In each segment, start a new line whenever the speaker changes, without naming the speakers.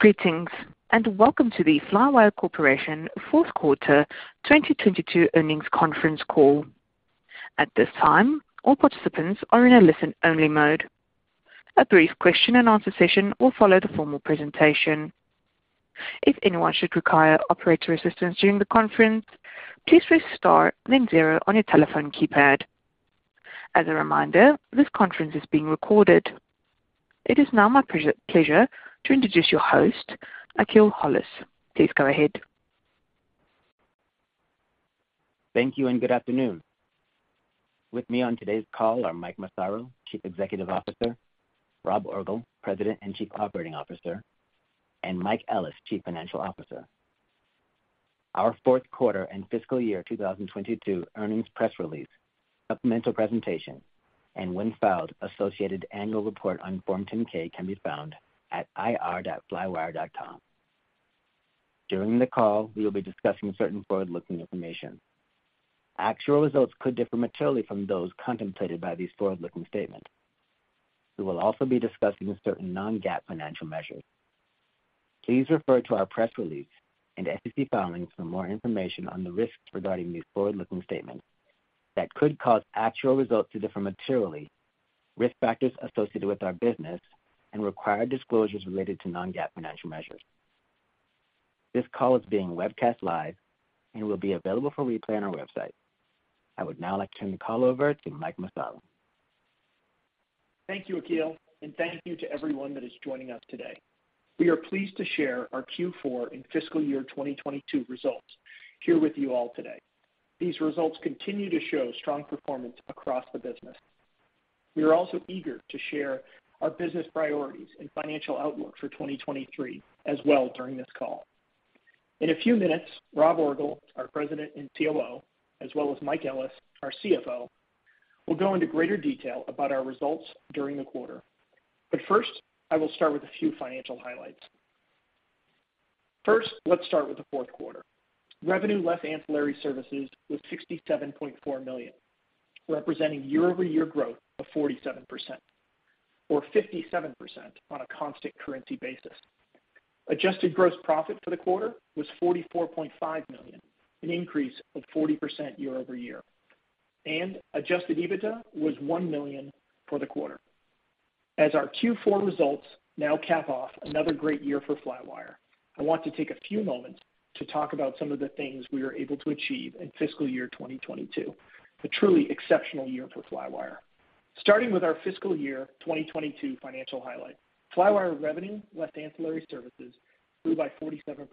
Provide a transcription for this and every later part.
Greetings. Welcome to the Flywire Corporation fourth quarter 2022 earnings conference call. At this time, all participants are in a listen-only mode. A brief question and answer session will follow the formal presentation. If anyone should require operator assistance during the conference, please press star then 0 on your telephone keypad. As a reminder, this conference is being recorded. It is now my pleasure to introduce your host, Akil Hollis. Please go ahead.
Thank you and good afternoon. With me on today's call are Mike Massaro, Chief Executive Officer, Rob Orgel, President and Chief Operating Officer, and Mike Ellis, Chief Financial Officer. Our fourth quarter and fiscal year 2022 earnings press release, supplemental presentation, and when filed, associated annual report on Form 10-K can be found at ir.flywire.com. During the call, we will be discussing certain forward-looking information. Actual results could differ materially from those contemplated by these forward-looking statements. We will also be discussing certain non-GAAP financial measures. Please refer to our press release and SEC filings for more information on the risks regarding these forward-looking statements that could cause actual results to differ materially, risk factors associated with our business, and required disclosures related to non-GAAP financial measures. This call is being webcast live and will be available for replay on our website. I would now like to turn the call over to Mike Massaro.
Thank you, Akil, and thank you to everyone that is joining us today. We are pleased to share our Q4 and fiscal year 2022 results here with you all today. These results continue to show strong performance across the business. We are also eager to share our business priorities and financial outlook for 2023 as well during this call. In a few minutes, Rob Orgel, our President and COO, as well as Mike Ellis, our CFO, will go into greater detail about our results during the quarter. First, I will start with a few financial highlights. First, let's start with the fourth quarter. Revenue less ancillary services was $67.4 million, representing year-over-year growth of 47% or 57% on a constant currency basis. Adjusted gross profit for the quarter was $44.5 million, an increase of 40% year-over-year. Adjusted EBITDA was $1 million for the quarter. Our Q4 results now cap off another great year for Flywire. I want to take a few moments to talk about some of the things we were able to achieve in fiscal year 2022, a truly exceptional year for Flywire. Starting with our fiscal year 2022 financial highlight, Flywire revenue less ancillary services grew by 47%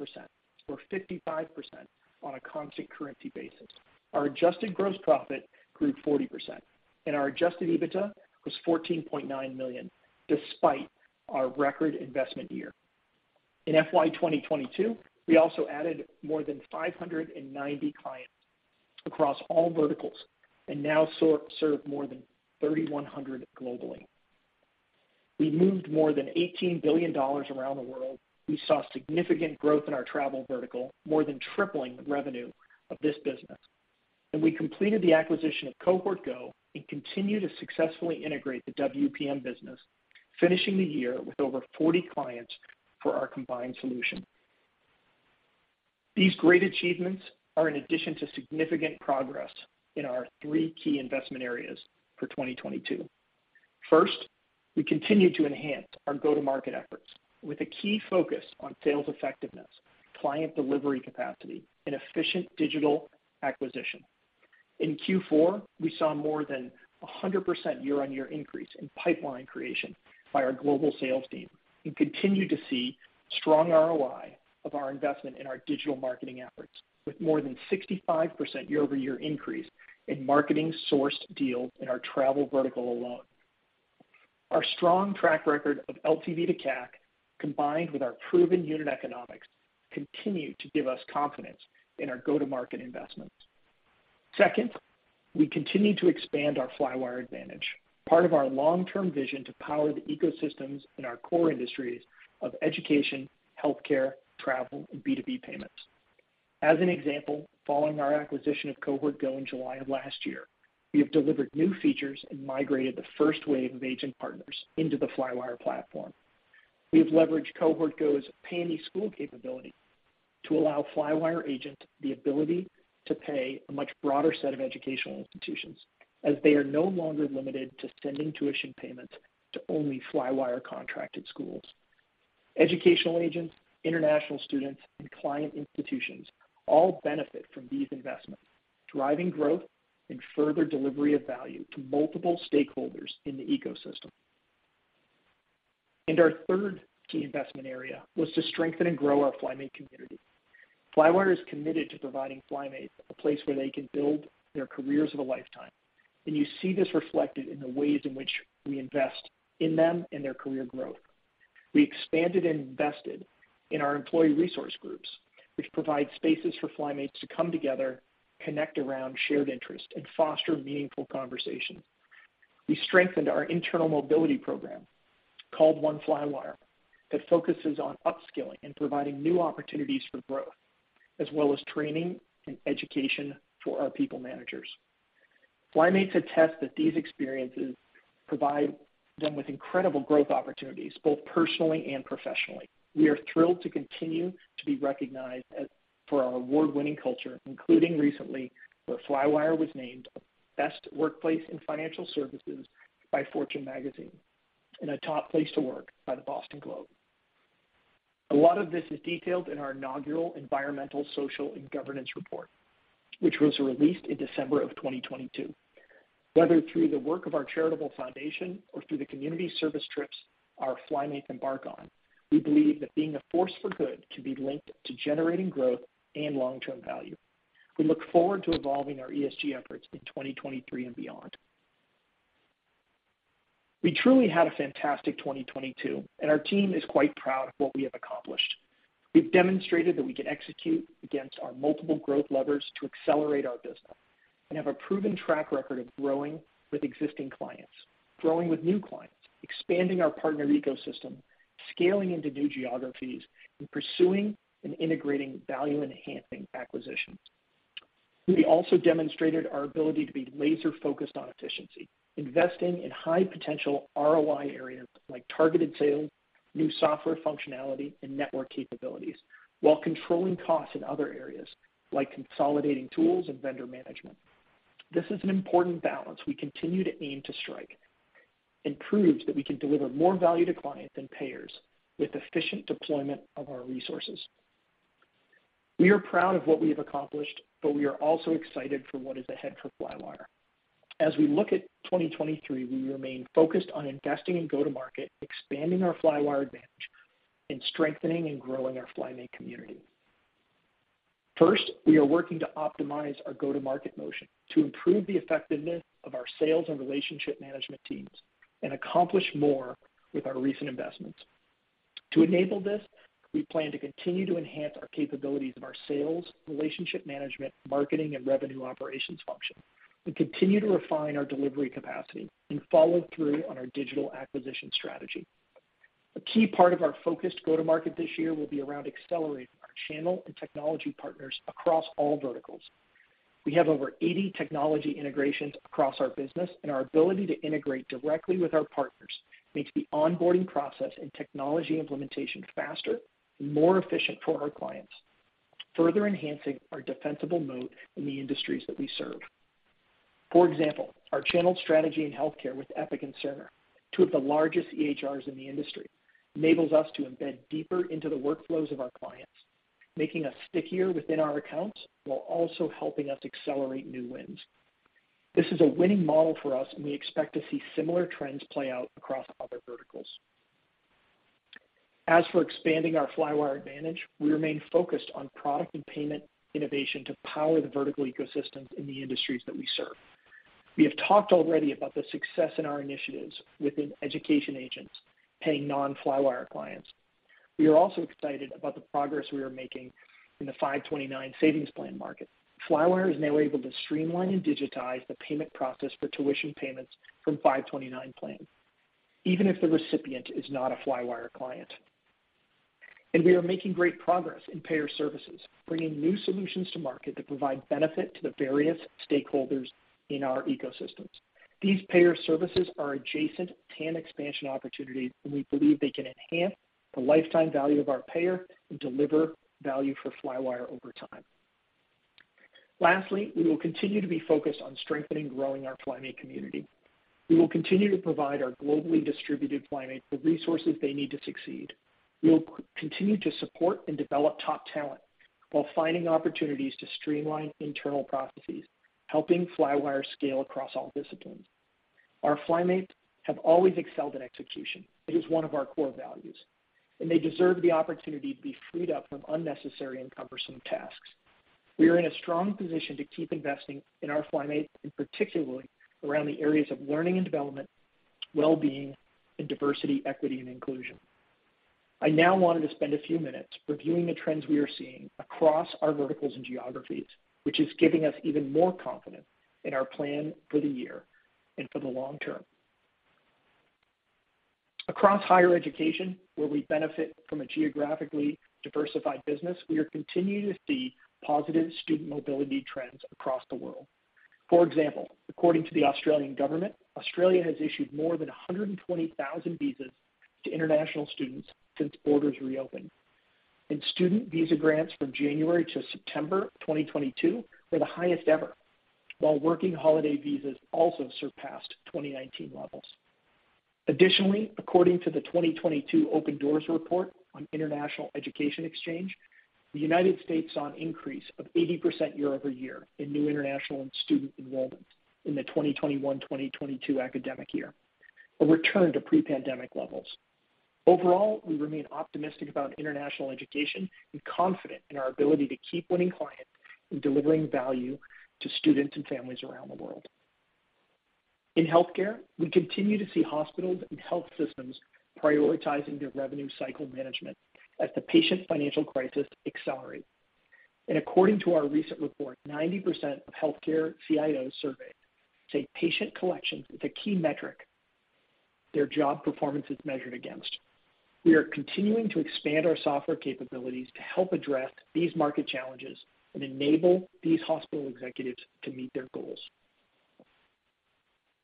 or 55% on a constant currency basis. Our adjusted gross profit grew 40%. Our adjusted EBITDA was $14.9 million despite our record investment year. In FY 2022, we also added more than 590 clients across all verticals and now serve more than 3,100 globally. We moved more than $18 billion around the world. We saw significant growth in our travel vertical, more than tripling the revenue of this business. We completed the acquisition of Cohort Go and continue to successfully integrate the WPM business, finishing the year with over 40 clients for our combined solution. These great achievements are in addition to significant progress in our three key investment areas for 2022. First, we continue to enhance our go-to-market efforts with a key focus on sales effectiveness, client delivery capacity, and efficient digital acquisition. In Q4, we saw more than 100% year-on-year increase in pipeline creation by our global sales team and continue to see strong ROI of our investment in our digital marketing efforts with more than 65% year-over-year increase in marketing sourced deals in our travel vertical alone. Our strong track record of LTV to CAC, combined with our proven unit economics, continue to give us confidence in our go-to-market investments. Second, we continue to expand our Flywire Advantage, part of our long-term vision to power the ecosystems in our core industries of education, healthcare, travel, and B2B payments. As an example, following our acquisition of Cohort Go in July of last year, we have delivered new features and migrated the first wave of agent partners into the Flywire platform. We have leveraged Cohort Go's Pay Any School capability to allow Flywire agent the ability to pay a much broader set of educational institutions, as they are no longer limited to sending tuition payments to only Flywire-contracted schools. Educational agents, international students, and client institutions all benefit from these investments, driving growth and further delivery of value to multiple stakeholders in the ecosystem. Our third key investment area was to strengthen and grow our FlyMates community. Flywire is committed to providing FlyMates a place where they can build their careers of a lifetime, and you see this reflected in the ways in which we invest in them and their career growth. We expanded and invested in our employee resource groups, which provide spaces for FlyMates to come together, connect around shared interests, and foster meaningful conversations. We strengthened our internal mobility program, called One Flywire, that focuses on upskilling and providing new opportunities for growth, as well as training and education for our people managers. FlyMates attest that these experiences provide them with incredible growth opportunities, both personally and professionally. We are thrilled to continue to be recognized for our award-winning culture, including recently, where Flywire was named Best Workplace in Financial Services by Fortune Magazine and a top place to work by The Boston Globe. A lot of this is detailed in our inaugural Environmental, Social, and Governance report, which was released in December of 2022. Whether through the work of our charitable foundation or through the community service trips our FlyMates embark on, we believe that being a force for good can be linked to generating growth and long-term value. We look forward to evolving our ESG efforts in 2023 and beyond. We truly had a fantastic 2022, and our team is quite proud of what we have accomplished. We've demonstrated that we can execute against our multiple growth levers to accelerate our business and have a proven track record of growing with existing clients, growing with new clients, expanding our partner ecosystem, scaling into new geographies, and pursuing and integrating value-enhancing acquisitions. We also demonstrated our ability to be laser-focused on efficiency, investing in high-potential ROI areas like targeted sales, new software functionality, and network capabilities while controlling costs in other areas like consolidating tools and vendor management. This is an important balance we continue to aim to strike and proves that we can deliver more value to clients and payers with efficient deployment of our resources. We are proud of what we have accomplished, but we are also excited for what is ahead for Flywire. As we look at 2023, we remain focused on investing in go-to-market, expanding our Flywire Advantage, and strengthening and growing our FlyMate community. First, we are working to optimize our go-to-market motion to improve the effectiveness of our sales and relationship management teams and accomplish more with our recent investments. To enable this, we plan to continue to enhance our capabilities of our sales, relationship management, marketing, and revenue operations function, and continue to refine our delivery capacity and follow through on our digital acquisition strategy. A key part of our focused go-to-market this year will be around accelerating our channel and technology partners across all verticals. We have over 80 technology integrations across our business. Our ability to integrate directly with our partners makes the onboarding process and technology implementation faster and more efficient for our clients, further enhancing our defensible moat in the industries that we serve. For example, our channel strategy in healthcare with Epic and Cerner, two of the largest EHRs in the industry, enables us to embed deeper into the workflows of our clients, making us stickier within our accounts while also helping us accelerate new wins. This is a winning model for us. We expect to see similar trends play out across other verticals. As for expanding our Flywire Advantage, we remain focused on product and payment innovation to power the vertical ecosystems in the industries that we serve. We have talked already about the success in our initiatives within education agents paying non-Flywire clients. We are also excited about the progress we are making in the 529 plan market. Flywire is now able to streamline and digitize the payment process for tuition payments from 529 plans, even if the recipient is not a Flywire client. We are making great progress in payer services, bringing new solutions to market that provide benefit to the various stakeholders in our ecosystems. These payer services are adjacent TAM expansion opportunities, and we believe they can enhance the lifetime value of our payer and deliver value for Flywire over time. Lastly, we will continue to be focused on strengthening and growing our FlyMate community. We will continue to provide our globally distributed FlyMates the resources they need to succeed. We will continue to support and develop top talent while finding opportunities to streamline internal processes, helping Flywire scale across all disciplines. Our FlyMates have always excelled in execution. It is one of our core values. They deserve the opportunity to be freed up from unnecessary and cumbersome tasks. We are in a strong position to keep investing in our FlyMates, and particularly around the areas of learning and development, well-being, and diversity, equity, and inclusion. I now wanted to spend a few minutes reviewing the trends we are seeing across our verticals and geographies, which is giving us even more confidence in our plan for the year and for the long term. Across higher education, where we benefit from a geographically diversified business, we are continuing to see positive student mobility trends across the world. For example, according to the Australian government, Australia has issued more than 120,000 visas to international students since borders reopened. Student visa grants from January to September 2022 were the highest ever, while working holiday visas also surpassed 2019 levels. Additionally, according to the 2022 Open Doors Report on International Educational Exchange, the United States saw an increase of 80% year-over-year in new international and student enrollments in the 2021/2022 academic year, a return to pre-pandemic levels. Overall, we remain optimistic about international education and confident in our ability to keep winning clients and delivering value to students and families around the world. In healthcare, we continue to see hospitals and health systems prioritizing their revenue cycle management as the patient financial crisis accelerates. According to our recent report, 90% of healthcare CIOs surveyed say patient collections is a key metric their job performance is measured against. We are continuing to expand our software capabilities to help address these market challenges and enable these hospital executives to meet their goals.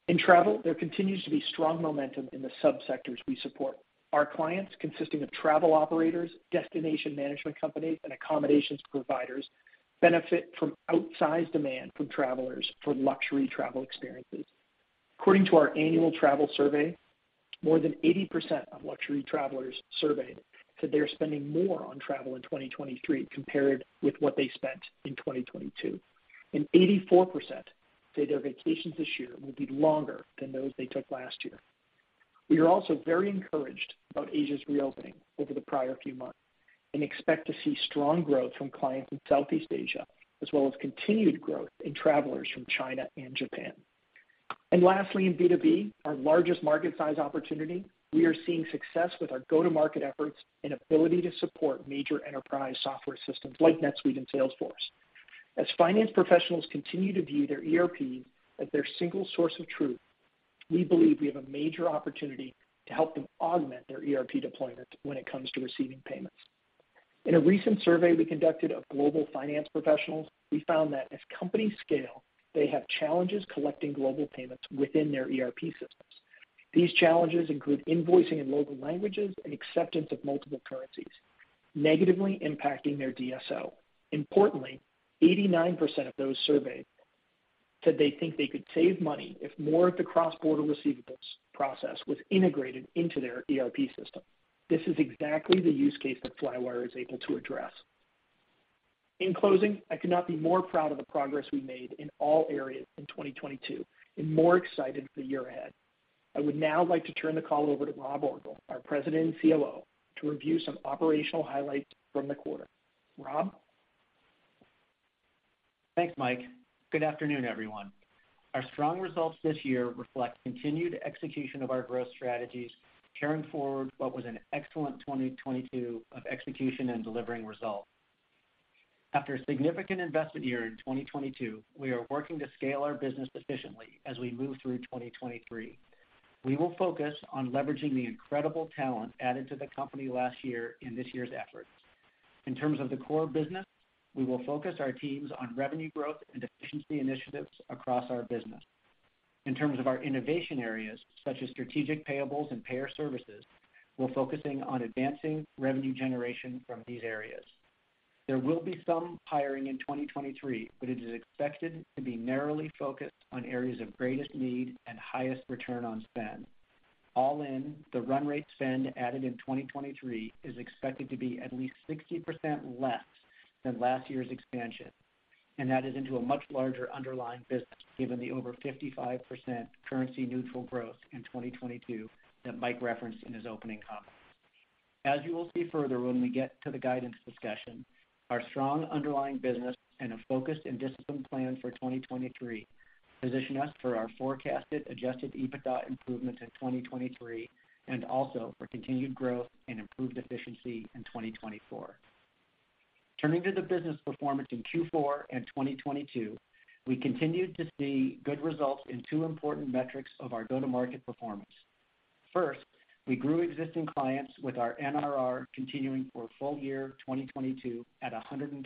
In travel, there continues to be strong momentum in the sub-sectors we support. Our clients, consisting of travel operators, destination management companies, and accommodations providers, benefit from outsized demand from travelers for luxury travel experiences. According to our annual travel survey, more than 80% of luxury travelers surveyed said they are spending more on travel in 2023 compared with what they spent in 2022, and 84% say their vacations this year will be longer than those they took last year. We are also very encouraged about Asia's reopening over the prior few months and expect to see strong growth from clients in Southeast Asia, as well as continued growth in travelers from China and Japan. Lastly, in B2B, our largest market size opportunity, we are seeing success with our go-to-market efforts and ability to support major enterprise software systems like NetSuite and Salesforce. As finance professionals continue to view their ERP as their single source of truth, we believe we have a major opportunity to help them augment their ERP deployment when it comes to receiving payments. In a recent survey we conducted of global finance professionals, we found that as companies scale, they have challenges collecting global payments within their ERP systems. These challenges include invoicing in local languages and acceptance of multiple currencies, negatively impacting their DSO. Importantly, 89% of those surveyed said they think they could save money if more of the cross-border receivables process was integrated into their ERP system. This is exactly the use case that Flywire is able to address. In closing, I could not be more proud of the progress we made in all areas in 2022 and more excited for the year ahead. I would now like to turn the call over to Rob Orgel, our President and COO, to review some operational highlights from the quarter. Rob?
Thanks, Mike. Good afternoon, everyone. Our strong results this year reflect continued execution of our growth strategies, carrying forward what was an excellent 2022 of execution and delivering results. After a significant investment year in 2022, we are working to scale our business efficiently as we move through 2023. We will focus on leveraging the incredible talent added to the company last year in this year's efforts. In terms of the core business, we will focus our teams on revenue growth and efficiency initiatives across our business. In terms of our innovation areas, such as strategic payables and payer services, we're focusing on advancing revenue generation from these areas. There will be some hiring in 2023, but it is expected to be narrowly focused on areas of greatest need and highest return on spend. All in, the run rate spend added in 2023 is expected to be at least 60% less than last year's expansion, and that is into a much larger underlying business, given the over 55% currency neutral growth in 2022 that Mike referenced in his opening comments. As you will see further when we get to the guidance discussion, our strong underlying business and a focused and disciplined plan for 2023 position us for our forecasted Adjusted EBITDA improvements in 2023 and also for continued growth and improved efficiency in 2024. Turning to the business performance in Q4 and 2022, we continued to see good results in two important metrics of our go-to-market performance. First, we grew existing clients with our NRR continuing for full year 2022 at 124%,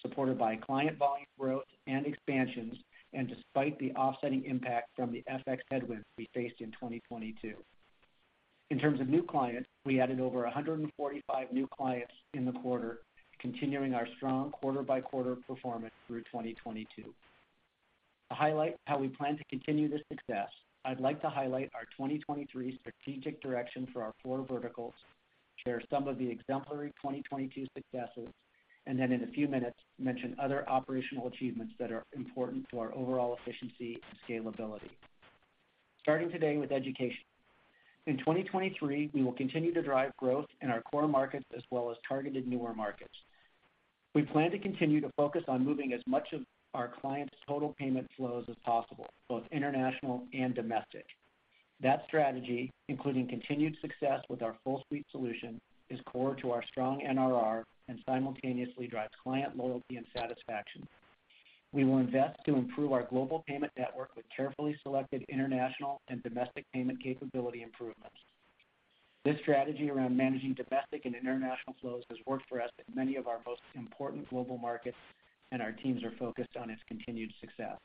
supported by client volume growth and expansions, and despite the offsetting impact from the FX headwinds we faced in 2022. In terms of new clients, we added over 145 new clients in the quarter, continuing our strong quarter-by-quarter performance through 2022. To highlight how we plan to continue this success, I'd like to highlight our 2023 strategic direction for our four verticals, share some of the exemplary 2022 successes, and then in a few minutes, mention other operational achievements that are important to our overall efficiency and scalability. Starting today with education. In 2023, we will continue to drive growth in our core markets as well as targeted newer markets. We plan to continue to focus on moving as much of our clients' total payment flows as possible, both international and domestic. That strategy, including continued success with our full suite solution, is core to our strong NRR and simultaneously drives client loyalty and satisfaction. We will invest to improve our global payment network with carefully selected international and domestic payment capability improvements. This strategy around managing domestic and international flows has worked for us in many of our most important global markets, and our teams are focused on its continued success.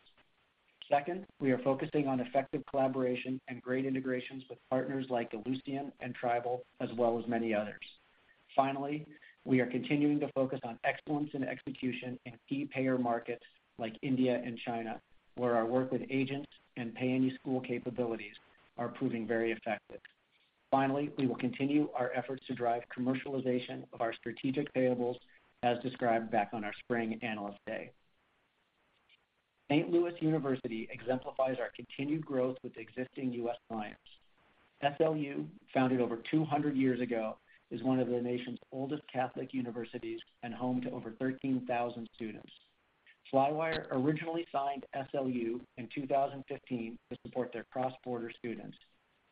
Second, we are focusing on effective collaboration and great integrations with partners like Ellucian and Tribal, as well as many others. Finally, we are continuing to focus on excellence in execution in key payer markets like India and China, where our work with agents and Pay Any School capabilities are proving very effective. Finally, we will continue our efforts to drive commercialization of our strategic payables as described back on our spring Analyst Day. Saint Louis University exemplifies our continued growth with existing US clients. SLU, founded over 200 years ago, is one of the nation's oldest Catholic universities and home to over 13,000 students. Flywire originally signed SLU in 2015 to support their cross-border students.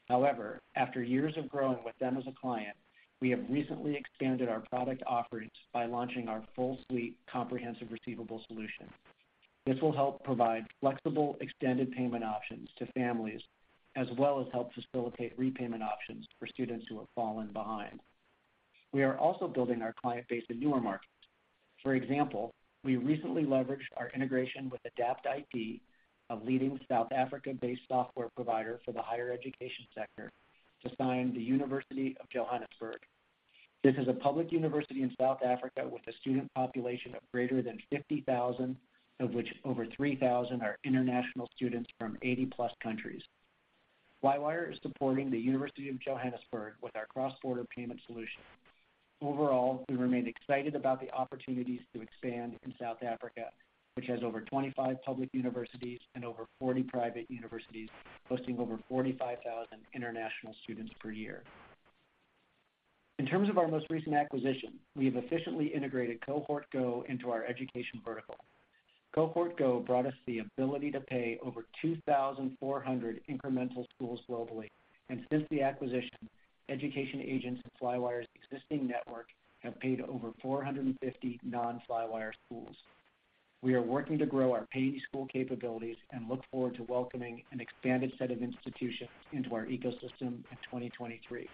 However, after years of growing with them as a client, we have recently expanded our product offerings by launching our full suite comprehensive receivable solution. This will help provide flexible extended payment options to families, as well as help facilitate repayment options for students who have fallen behind. We are also building our client base in newer markets. For example, we recently leveraged our integration with Adapt IT, a leading South Africa-based software provider for the higher education sector, to sign the University of Johannesburg. This is a public university in South Africa with a student population of greater than 50,000, of which over 3,000 are international students from 80+ countries. Flywire is supporting the University of Johannesburg with our cross-border payment solution. Overall, we remain excited about the opportunities to expand in South Africa, which has over 25 public universities and over 40 private universities hosting over 45,000 international students per year. In terms of our most recent acquisition, we have efficiently integrated Cohort Go into our education vertical. Cohort Go brought us the ability to pay over 2,400 incremental schools globally. Since the acquisition, education agents in Flywire's existing network have paid over 450 non-Flywire schools. We are working to grow our pay school capabilities and look forward to welcoming an expanded set of institutions into our ecosystem in 2023.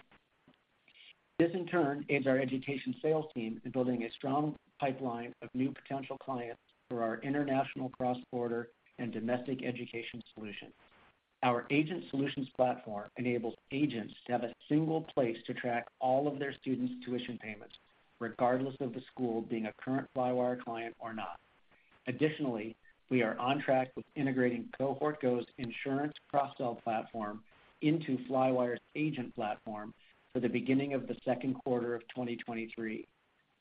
This, in turn, aids our education sales team in building a strong pipeline of new potential clients for our international cross-border and domestic education solutions. Our agent solutions platform enables agents to have a single place to track all of their students' tuition payments, regardless of the school being a current Flywire client or not. Additionally, we are on track with integrating Cohort Go's insurance cross-sell platform into Flywire's agent platform for the beginning of the second quarter of 2023,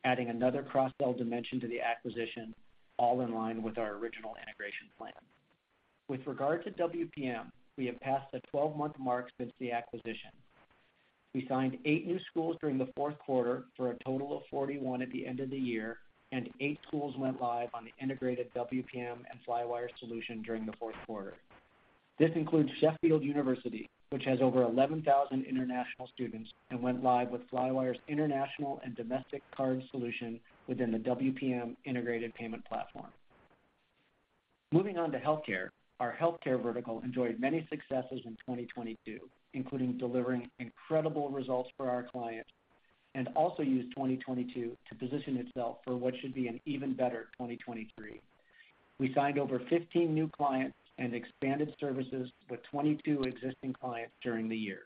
adding another cross-sell dimension to the acquisition, all in line with our original integration plan. With regard to WPM, we have passed the 12-month mark since the acquisition. We signed eight new schools during the fourth quarter for a total of 41 at the end of the year, and eight schools went live on the integrated WPM and Flywire solution during the fourth quarter. This includes Sheffield University, which has over 11,000 international students and went live with Flywire's international and domestic card solution within the WPM integrated payment platform. Moving on to healthcare. Our healthcare vertical enjoyed many successes in 2022, including delivering incredible results for our clients, and also used 2022 to position itself for what should be an even better 2023. We signed over 15 new clients and expanded services with 22 existing clients during the year.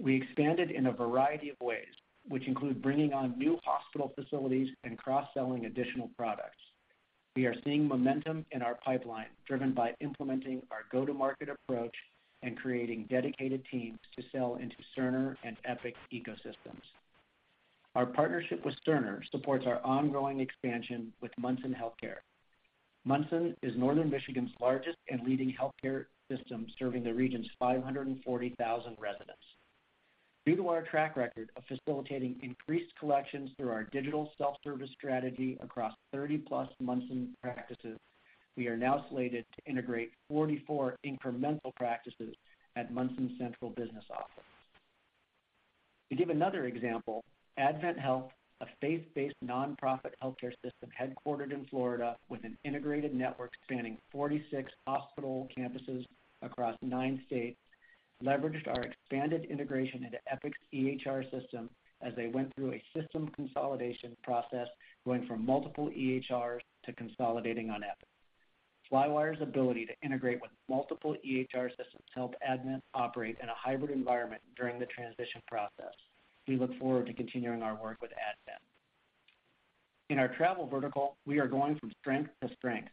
We expanded in a variety of ways, which include bringing on new hospital facilities and cross-selling additional products. We are seeing momentum in our pipeline, driven by implementing our go-to-market approach and creating dedicated teams to sell into Cerner and Epic ecosystems. Our partnership with Cerner supports our ongoing expansion with Munson Healthcare. Munson Healthcare is Northern Michigan's largest and leading healthcare system, serving the region's 540,000 residents. Due to our track record of facilitating increased collections through our digital self-service strategy across 30-plus Munson Healthcare practices, we are now slated to integrate 44 incremental practices at Munson Healthcare's central business office. To give another example, AdventHealth, a faith-based nonprofit healthcare system headquartered in Florida with an integrated network spanning 46 hospital campuses across nine states, leveraged our expanded integration into Epic's EHR system as they went through a system consolidation process going from multiple EHRs to consolidating on Epic. Flywire's ability to integrate with multiple EHR systems helped Advent operate in a hybrid environment during the transition process. We look forward to continuing our work with Advent. In our travel vertical, we are going from strength to strength.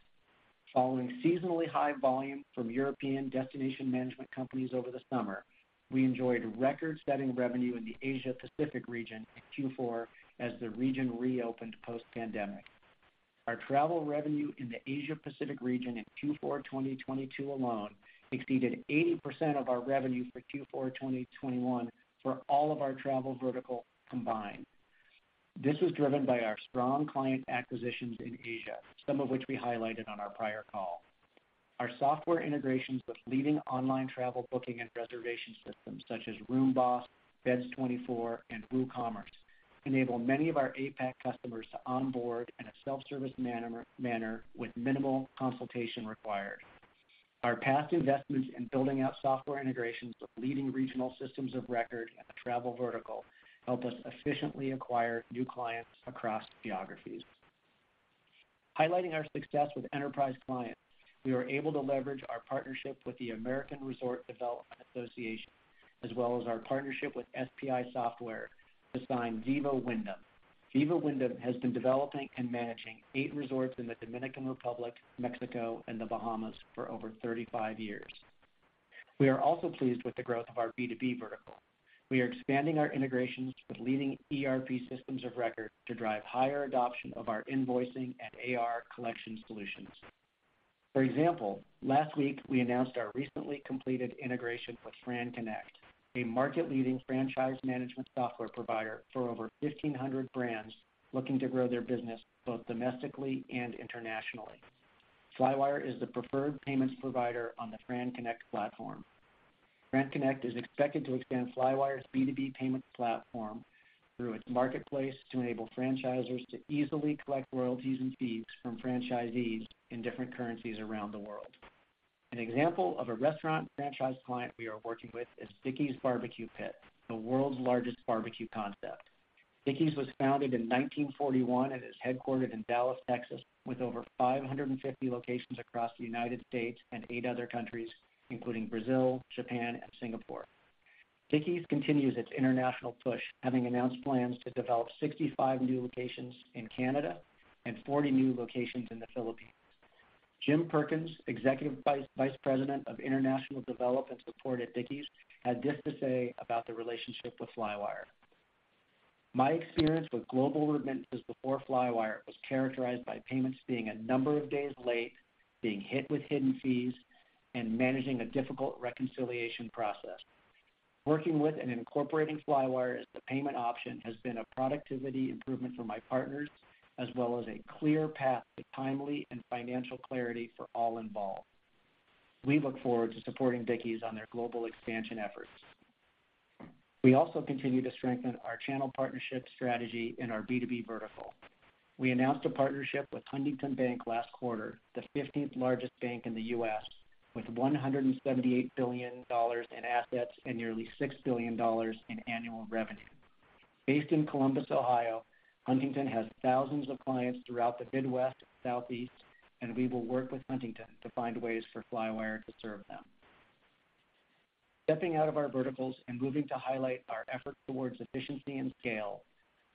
Following seasonally high volume from European destination management companies over the summer, we enjoyed record-setting revenue in the Asia Pacific region in Q4 as the region reopened post-pandemic. Our travel revenue in the Asia Pacific region in Q4 2022 alone exceeded 80% of our revenue for Q4 2021 for all of our travel vertical combined. This was driven by our strong client acquisitions in Asia, some of which we highlighted on our prior call. Our software integrations with leading online travel booking and reservation systems such as RoomBoss, Beds24, and WooCommerce enable many of our APAC customers to onboard in a self-service manner with minimal consultation required. Our past investments in building out software integrations with leading regional systems of record in the travel vertical help us efficiently acquire new clients across geographies. Highlighting our success with enterprise clients, we were able to leverage our partnership with the American Resort Development Association, as well as our partnership with SPI Software to sign Viva Wyndham. Viva Wyndham has been developing and managing 8 resorts in the Dominican Republic, Mexico, and the Bahamas for over 35 years. We are also pleased with the growth of our B2B vertical. We are expanding our integrations with leading ERP systems of record to drive higher adoption of our invoicing and AR collection solutions. Last week we announced our recently completed integration with FranConnect, a market-leading franchise management software provider for over 1,500 brands looking to grow their business both domestically and internationally. Flywire is the preferred payments provider on the FranConnect platform. FranConnect is expected to expand Flywire's B2B payment platform through its marketplace to enable franchisers to easily collect royalties and fees from franchisees in different currencies around the world. An example of a restaurant franchise client we are working with is Dickey's Barbecue Pit, the world's largest barbecue concept. Dickey's was founded in 1941 and is headquartered in Dallas, Texas, with over 550 locations across the United States and eight other countries, including Brazil, Japan, and Singapore. Dickey's continues its international push, having announced plans to develop 65 new locations in Canada and 40 new locations in the Philippines. Jim Perkins, Executive Vice President of International Development Support at Dickey's, had this to say about the relationship with Flywire. My experience with global remittances before Flywire was characterized by payments being a number of days late, being hit with hidden fees, and managing a difficult reconciliation process. Working with and incorporating Flywire as the payment option has been a productivity improvement for my partners, as well as a clear path to timely and financial clarity for all involved." We look forward to supporting Dickey's on their global expansion efforts. We also continue to strengthen our channel partnership strategy in our B2B vertical. We announced a partnership with Huntington Bank last quarter, the 15th largest bank in the U.S., with $178 billion in assets and nearly $6 billion in annual revenue. Based in Columbus, Ohio, Huntington has thousands of clients throughout the Midwest and Southeast, and we will work with Huntington to find ways for Flywire to serve them. Stepping out of our verticals and moving to highlight our effort towards efficiency and scale,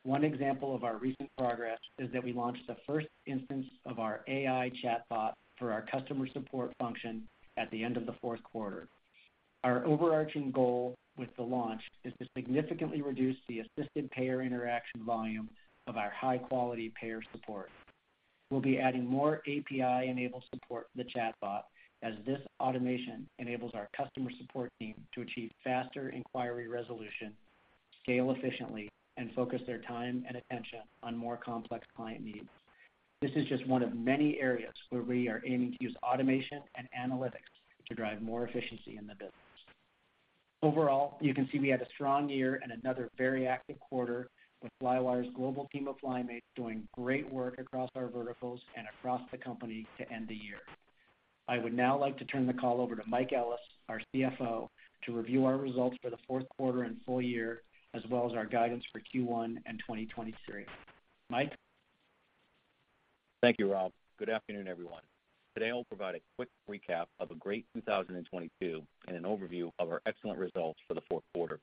one example of our recent progress is that we launched the first instance of our AI chatbot for our customer support function at the end of the fourth quarter. Our overarching goal with the launch is to significantly reduce the assisted payer interaction volume of our high-quality payer support. We'll be adding more API-enabled support to the chatbot, as this automation enables our customer support team to achieve faster inquiry resolution, scale efficiently, and focus their time and attention on more complex client needs. This is just one of many areas where we are aiming to use automation and analytics to drive more efficiency in the business. Overall, you can see we had a strong year and another very active quarter with Flywire's global team of FlyMates doing great work across our verticals and across the company to end the year. I would now like to turn the call over to Mike Ellis, our CFO, to review our results for the fourth quarter and full year, as well as our guidance for Q1 and 2023. Mike?
Thank you, Rob. Good afternoon, everyone. Today, I'll provide a quick recap of a great 2022 and an overview of our excellent results for the Q4.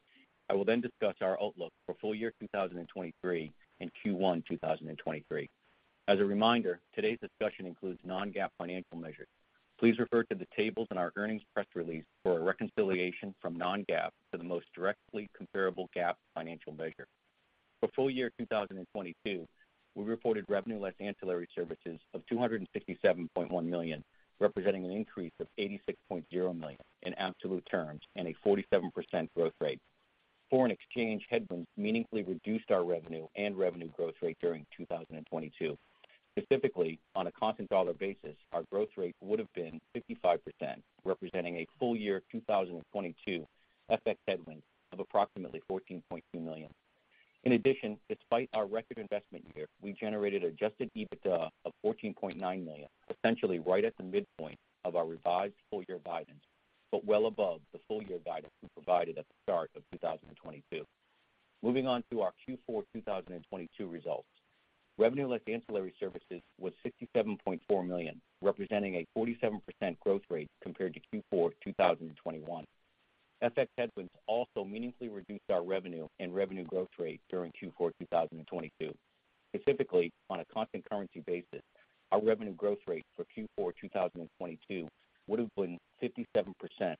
I will then discuss our outlook for full year 2023 and Q1 2023. As a reminder, today's discussion includes non-GAAP financial measures. Please refer to the tables in our earnings press release for a reconciliation from non-GAAP to the most directly comparable GAAP financial measure. For full year 2022, we reported revenue less ancillary services of $267.1 million, representing an increase of $86.0 million in absolute terms and a 47% growth rate. Foreign exchange headwinds meaningfully reduced our revenue and revenue growth rate during 2022. Specifically, on a constant dollar basis, our growth rate would have been 55%, representing a full year 2022 FX headwind of approximately $14.2 million. In addition, despite our record investment year, we generated Adjusted EBITDA of $14.9 million, essentially right at the midpoint of our revised full-year guidance, but well above the full-year guidance we provided at the start of 2022. Moving on to our Q4 2022 results. Revenue less ancillary services was $67.4 million, representing a 47% growth rate compared to Q4 2021. FX headwinds also meaningfully reduced our revenue and revenue growth rate during Q4 2022. Specifically, on a constant currency basis, our revenue growth rate for Q4 2022 would have been 57%,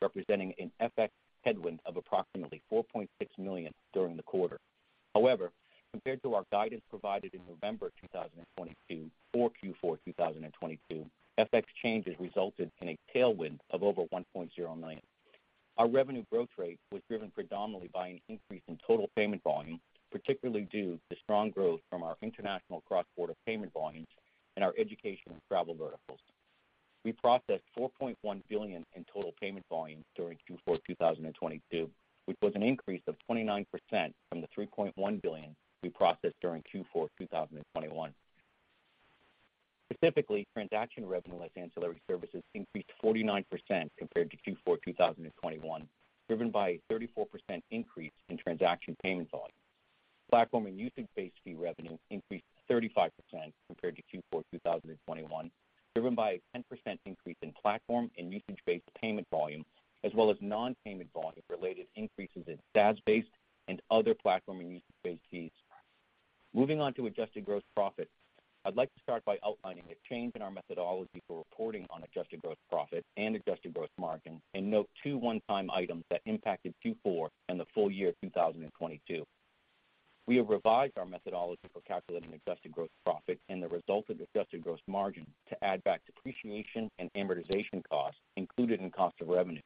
representing an FX headwind of approximately $4.6 million during the quarter. However, compared to our guidance provided in November 2022 for Q4 2022, FX changes resulted in a tailwind of over $1.0 million. Our revenue growth rate was driven predominantly by an increase in total payment volume, particularly due to strong growth from our international cross-border payment volumes and our education and travel verticals. We processed $4.1 billion in total payment volume during Q4 2022, which was an increase of 29% from the $3.1 billion we processed during Q4 2021. Specifically, transaction revenue less ancillary services increased 49% compared to Q4 2021, driven by a 34% increase in transaction payment volume. Platform and usage-based fee revenue increased 35% compared to Q4 2021, driven by a 10% increase in platform and usage-based payment volume, as well as non-payment volume-related increases in SaaS-based and other platform and usage-based fees. Moving on to Adjusted gross profit. I'd like to start by outlining a change in our methodology for reporting on Adjusted gross profit and Adjusted gross margin, and note 2 one-time items that impacted Q4 and the full year 2022. We have revised our methodology for calculating Adjusted gross profit and the result of Adjusted gross margin to add back depreciation and amortization costs included in cost of revenue.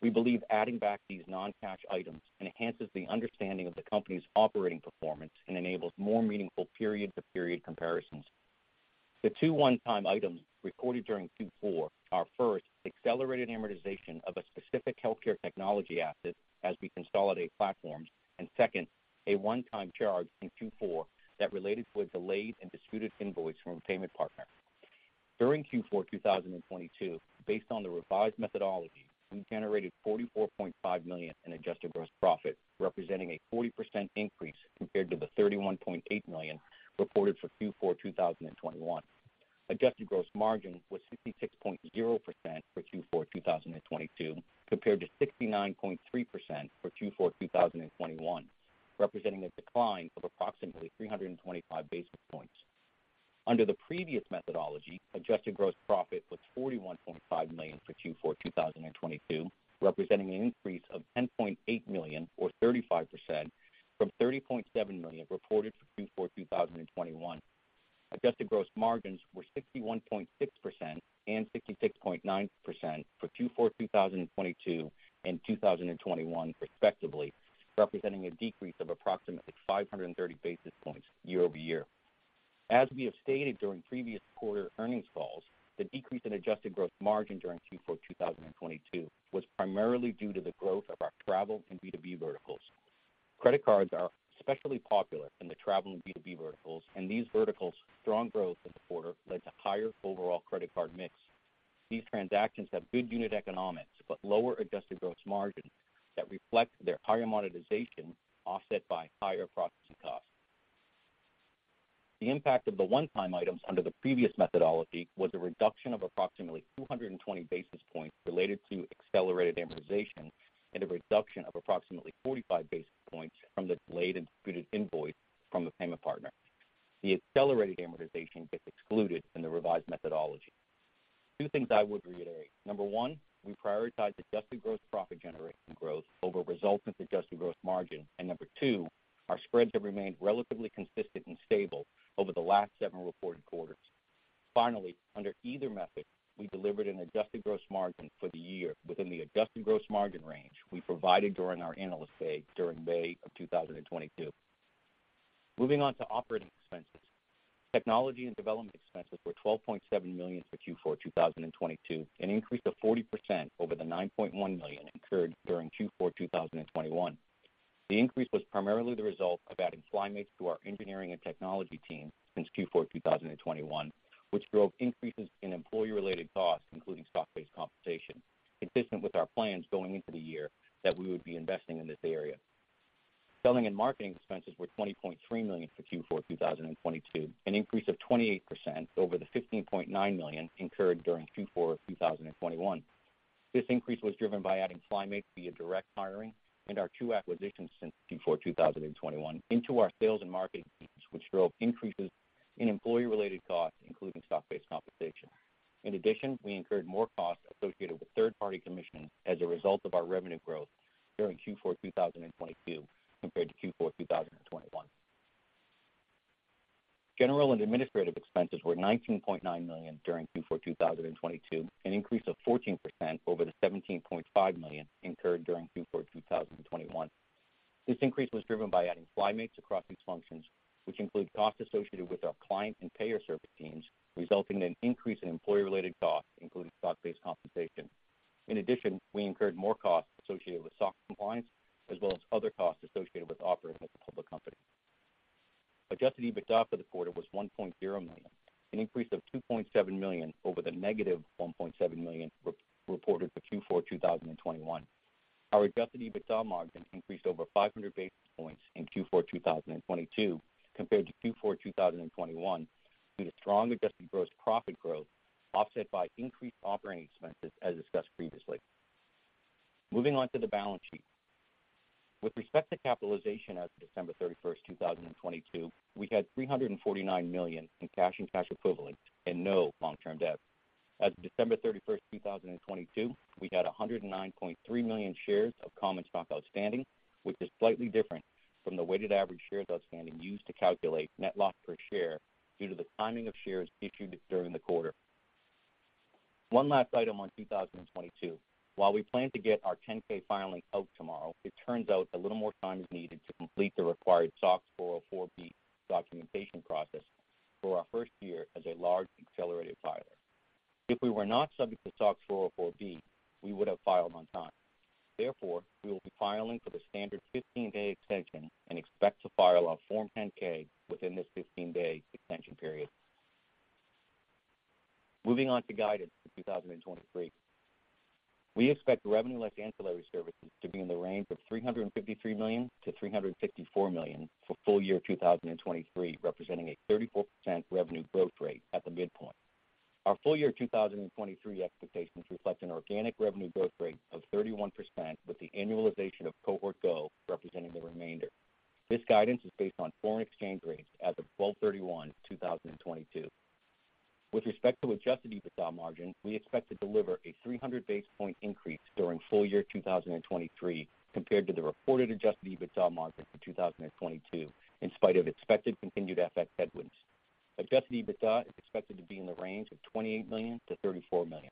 We believe adding back these non-cash items enhances the understanding of the company's operating performance and enables more meaningful period-to-period comparisons. The two one-time items recorded during Q4 are first, accelerated amortization of a specific healthcare technology asset as we consolidate platforms. Second, a one-time charge in Q4 that related to a delayed and disputed invoice from a payment partner. During Q4 2022, based on the revised methodology, we generated $44.5 million in adjusted gross profit, representing a 40% increase compared to the $31.8 million reported for Q4 2021. Adjusted gross margin was 66.0% for Q4 2022 compared to 69.3% for Q4 2021, representing a decline of approximately 325 basis points. Under the previous methodology, adjusted gross profit was $41.5 million for Q4 2022, representing an increase of $10.8 million or 35% from $30.7 million reported for Q4 2021. Adjusted gross margins were 61.6% and 66.9% for Q4 2022 and 2021 respectively, representing a decrease of approximately 530 basis points year-over-year. As we have stated during previous quarter earnings calls, the decrease in adjusted gross margin during Q4 2022 was primarily due to the growth of our travel and B2B verticals. Credit cards are especially popular in the travel and B2B verticals, and these verticals' strong growth in the quarter led to higher overall credit card mix. These transactions have good unit economics, but lower Adjusted gross margin that reflect their higher monetization offset by higher processing costs. The impact of the one-time items under the previous methodology was a reduction of approximately 220 basis points related to accelerated amortization and a reduction of approximately 45 basis points from the delayed and disputed invoice from the payment partner. The accelerated With respect to capitalization as of December 31, 2022, we had $349 million in cash and cash equivalents and no long-term debt. December 31, 2022, we had 109.3 million shares of common stock outstanding, which is slightly different from the weighted average shares outstanding used to calculate net loss per share due to the timing of shares issued during the quarter. One last item on 2022. While we plan to get our 10-K filing out tomorrow, it turns out a little more time is needed to complete the required SOX 404(b) documentation process for our first year as a large accelerated filer. If we were not subject to SOX 404(b), we would have filed on time. We will be filing for the standard 15-day extension and expect to file our Form 10-K within this 15-day extension period. Moving on to guidance for 2023. We expect revenue less ancillary services to be in the range of $353 million-$354 million for full year 2023, representing a 34% revenue growth rate at the midpoint. Our full year 2023 expectations reflect an organic revenue growth rate of 31% with the annualization of Cohort Go representing the remainder. This guidance is based on foreign exchange rates as of 12/31/2022. With respect to Adjusted EBITDA margin, we expect to deliver a 300 basis point increase during full year 2023 compared to the reported Adjusted EBITDA margin for 2022, in spite of expected continued FX headwinds. Adjusted EBITDA is expected to be in the range of $28 million-$34 million.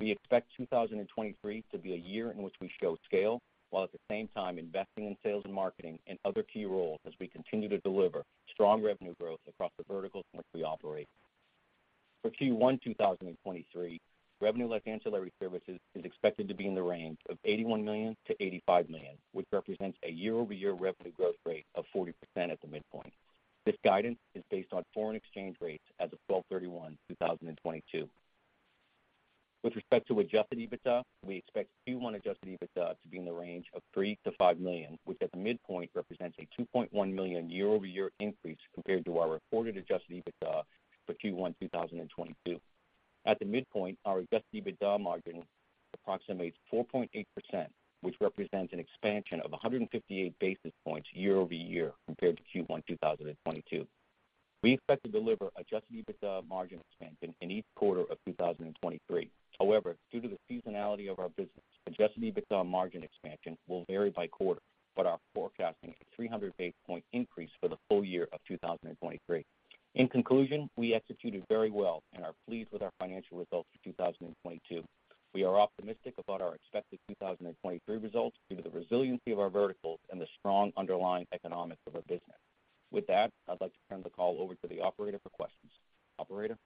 We expect 2023 to be a year in which we show scale, while at the same time investing in sales and marketing and other key roles as we continue to deliver strong revenue growth across the verticals in which we operate. For Q1 2023, revenue-like ancillary services is expected to be in the range of $81 million-$85 million, which represents a year-over-year revenue growth rate of 40% at the midpoint. This guidance is based on foreign exchange rates as of 12/31/2022. With respect to Adjusted EBITDA, we expect Q1 Adjusted EBITDA to be in the range of $3 million-$5 million, which at the midpoint represents a $2.1 million year-over-year increase compared to our reported Adjusted EBITDA for Q1 2022. At the midpoint, our Adjusted EBITDA margin approximates 4.8%, which represents an expansion of 158 basis points year-over-year compared to Q1, 2022. We expect to deliver Adjusted EBITDA margin expansion in each quarter of 2023. Due to the seasonality of our business, Adjusted EBITDA margin expansion will vary by quarter, but are forecasting a 300 basis point increase for the full year of 2023. In conclusion, we executed very well and are pleased with our financial results for 2022. We are optimistic about our expected 2023 results due to the resiliency of our verticals and the strong underlying economics of our business. With that, I'd like to turn the call over to the operator for questions. Operator?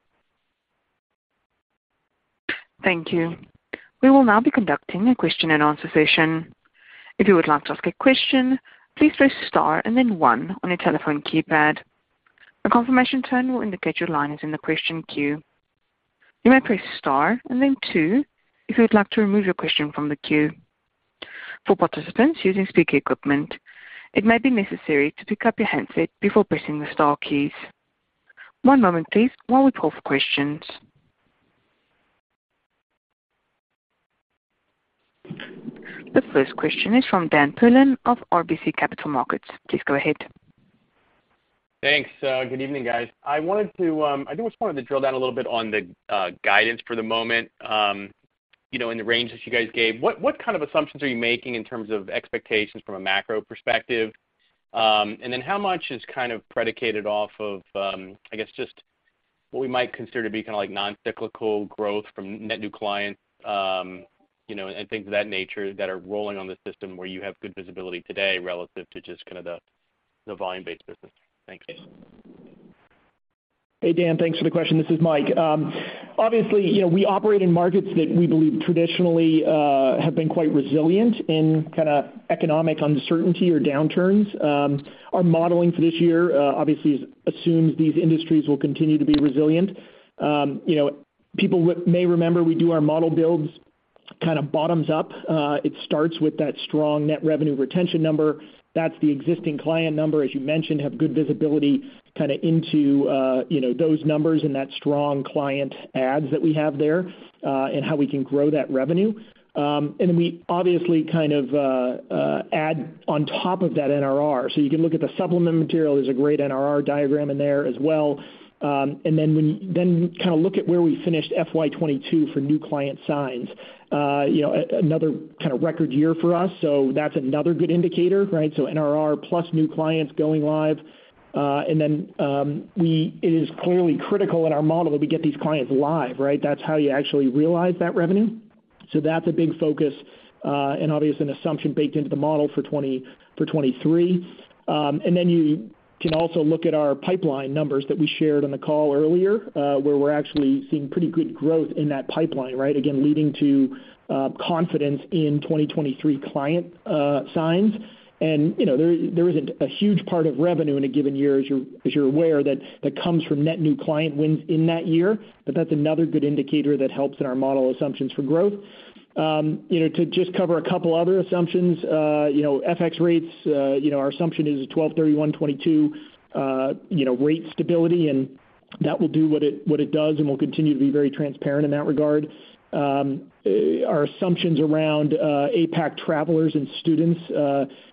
Thank you. We will now be conducting a question and answer session. If you would like to ask a question, please press star then 1 on your telephone keypad. A confirmation tone will indicate your line is in the question queue. You may press star then 2 if you would like to remove your question from the queue. For participants using speaker equipment, it may be necessary to pick up your handset before pressing the star keys. One moment please while we call for questions. The first question is from Daniel Perlin of RBC Capital Markets. Please go ahead.
Thanks. Good evening, guys. I just wanted to drill down a little bit on the guidance for the moment, you know, in the range that you guys gave. What, what kind of assumptions are you making in terms of expectations from a macro perspective? How much is kind of predicated off of, I guess, just what we might consider to be kind of like non-cyclical growth from net new clients, you know, and things of that nature that are rolling on the system where you have good visibility today relative to just kind of the volume-based business? Thanks.
Hey, Dan. Thanks for the question. This is Mike. Obviously, you know, we operate in markets that we believe traditionally, have been quite resilient in kinda economic uncertainty or downturns. Our modeling for this year, obviously assumes these industries will continue to be resilient. You know, people may remember we do our model builds kinda bottoms up. It starts with that strong net revenue retention number. That's the existing client number, as you mentioned, have good visibility kinda into, you know, those numbers and that strong client adds that we have there, and how we can grow that revenue. We obviously kind of, add on top of that NRR. So you can look at the supplement material. There's a great NRR diagram in there as well. Then kinda look at where we finished FY 2022 for new client signs. You know, another kinda record year for us, that's another good indicator, right? NRR plus new clients going live. It is clearly critical in our model that we get these clients live, right? That's how you actually realize that revenue. That's a big focus, and obvious an assumption baked into the model for 2023. You can also look at our pipeline numbers that we shared on the call earlier, where we're actually seeing pretty good growth in that pipeline, right? Again, leading to confidence in 2023 client signs. You know, there isn't a huge part of revenue in a given year, as you're aware, that comes from net new client wins in that year. That's another good indicator that helps in our model assumptions for growth. You know, to just cover a couple other assumptions, you know, FX rates, you know, our assumption is at 12/31/2022, you know, rate stability, and that will do what it does, and we'll continue to be very transparent in that regard. Our assumptions around APAC travelers and students,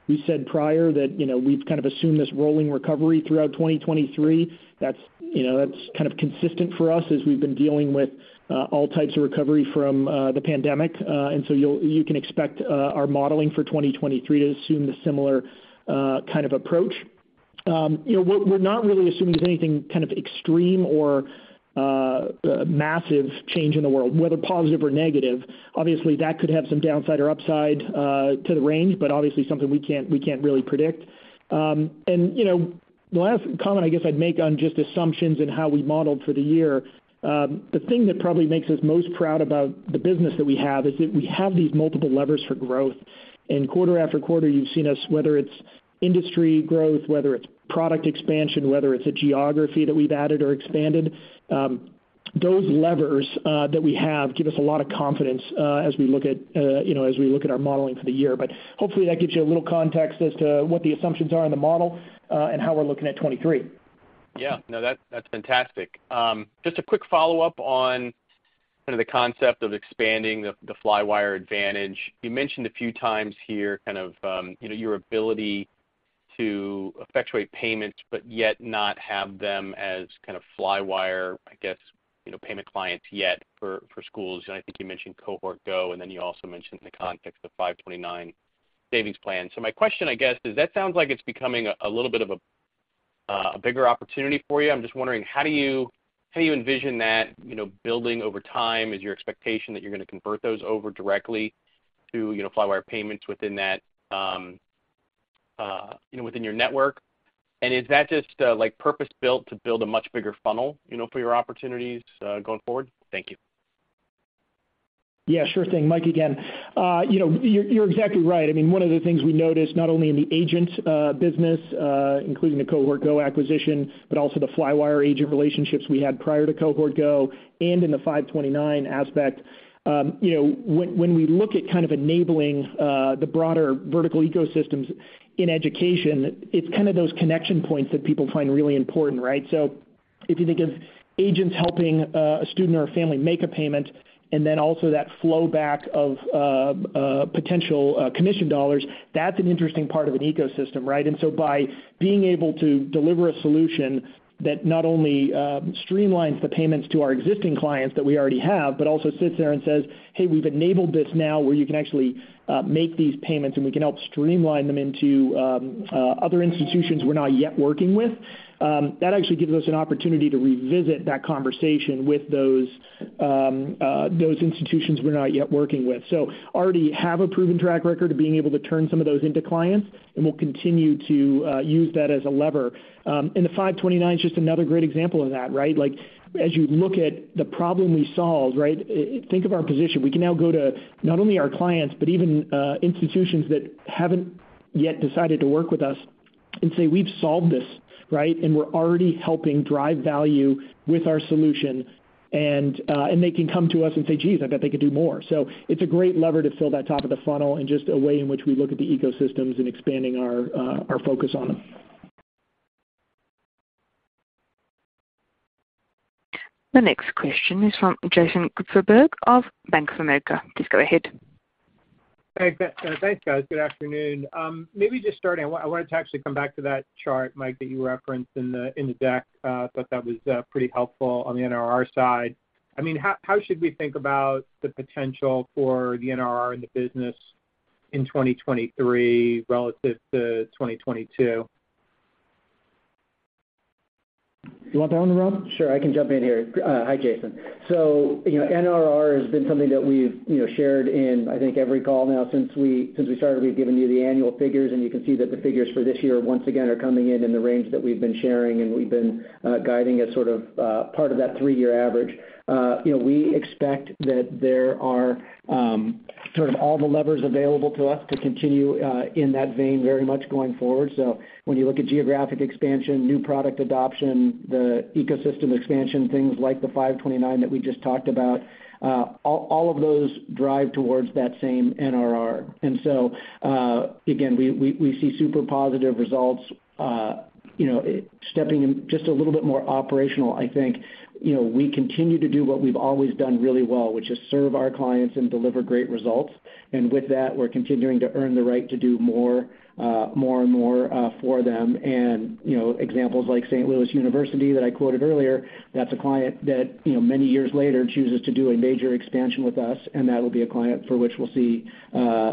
we said prior that, you know, we've kind of assumed this rolling recovery throughout 2023. That's, you know, that's kind of consistent for us as we've been dealing with all types of recovery from the pandemic. You can expect our modeling for 2023 to assume the similar kind of approach. You know, we're not really assuming there's anything kind of extreme or massive change in the world, whether positive or negative. Obviously, that could have some downside or upside to the range, but obviously something we can't really predict. You know, the last comment I guess I'd make on just assumptions and how we modeled for the year, the thing that probably makes us most proud about the business that we have is that we have these multiple levers for growth. Quarter after quarter, you've seen us, whether it's industry growth, whether it's product expansion, whether it's a geography that we've added or expanded, those levers that we have give us a lot of confidence as we look at, you know, as we look at our modeling for the year. Hopefully that gives you a little context as to what the assumptions are in the model, and how we're looking at 2023.
Yeah. No, that's fantastic. Just a quick follow-up on kind of the concept of expanding the Flywire Advantage. You mentioned a few times here kind of, you know, your ability to effectuate payments, but yet not have them as kind of Flywire, I guess, you know, payment clients yet for schools. I think you mentioned Cohort Go, and then you also mentioned the context of 529 plan savings plan. My question, I guess, is that sounds like it's becoming a little bit of a...
A bigger opportunity for you. I'm just wondering, how do you envision that, you know, building over time? Is your expectation that you're gonna convert those over directly to, you know, Flywire payments within that, you know, within your network? Is that just like purpose-built to build a much bigger funnel, you know, for your opportunities going forward? Thank you.
Yeah, sure thing. Mike again. You know, you're exactly right. I mean, one of the things we noticed not only in the agent business, including the Cohort Go acquisition, but also the Flywire agent relationships we had prior to Cohort Go and in the 529 plan aspect, you know, when we look at kind of enabling the broader vertical ecosystems in education, it's kind of those connection points that people find really important, right? If you think of agents helping a student or a family make a payment and then also that flow back of potential commission dollars, that's an interesting part of an ecosystem, right? By being able to deliver a solution that not only streamlines the payments to our existing clients that we already have, but also sits there and says, "Hey, we've enabled this now where you can actually make these payments, and we can help streamline them into other institutions we're not yet working with," that actually gives us an opportunity to revisit that conversation with those institutions we're not yet working with. Already have a proven track record of being able to turn some of those into clients, and we'll continue to use that as a lever. The 529 plan is just another great example of that, right? Like, as you look at the problem we solve, right, think of our position. We can now go to not only our clients but even institutions that haven't yet decided to work with us and say, "We've solved this," right? We're already helping drive value with our solution. They can come to us and say, "Geez, I bet they could do more." It's a great lever to fill that top of the funnel and just a way in which we look at the ecosystems and expanding our focus on them.
The next question is from Jason Kupferberg of Bank of America. Please go ahead.
Thanks, thanks, guys. Good afternoon. Maybe just starting, I wanted to actually come back to that chart, Mike, that you referenced in the, in the deck. Thought that was pretty helpful on the NRR side. I mean, how should we think about the potential for the NRR in the business in 2023 relative to 2022?
You want that one, Rob?
Sure. I can jump in here. Hi, Jason. You know, NRR has been something that we've, you know, shared in, I think, every call now since we started. We've given you the annual figures, and you can see that the figures for this year once again are coming in in the range that we've been sharing, and we've been guiding as sort of part of that three-year average. You know, we expect that there are sort of all the levers available to us to continue in that vein very much going forward. When you look at geographic expansion, new product adoption, the ecosystem expansion, things like the 529 plan that we just talked about, all of those drive towards that same NRR. Again, we see super positive results. you know, stepping in just a little bit more operational, I think, you know, we continue to do what we've always done really well, which is serve our clients and deliver great results. With that, we're continuing to earn the right to do more, more and more, for them. You know, examples like Saint Louis University that I quoted earlier, that's a client that, you know, many years later chooses to do a major expansion with us, and that will be a client for which we'll see,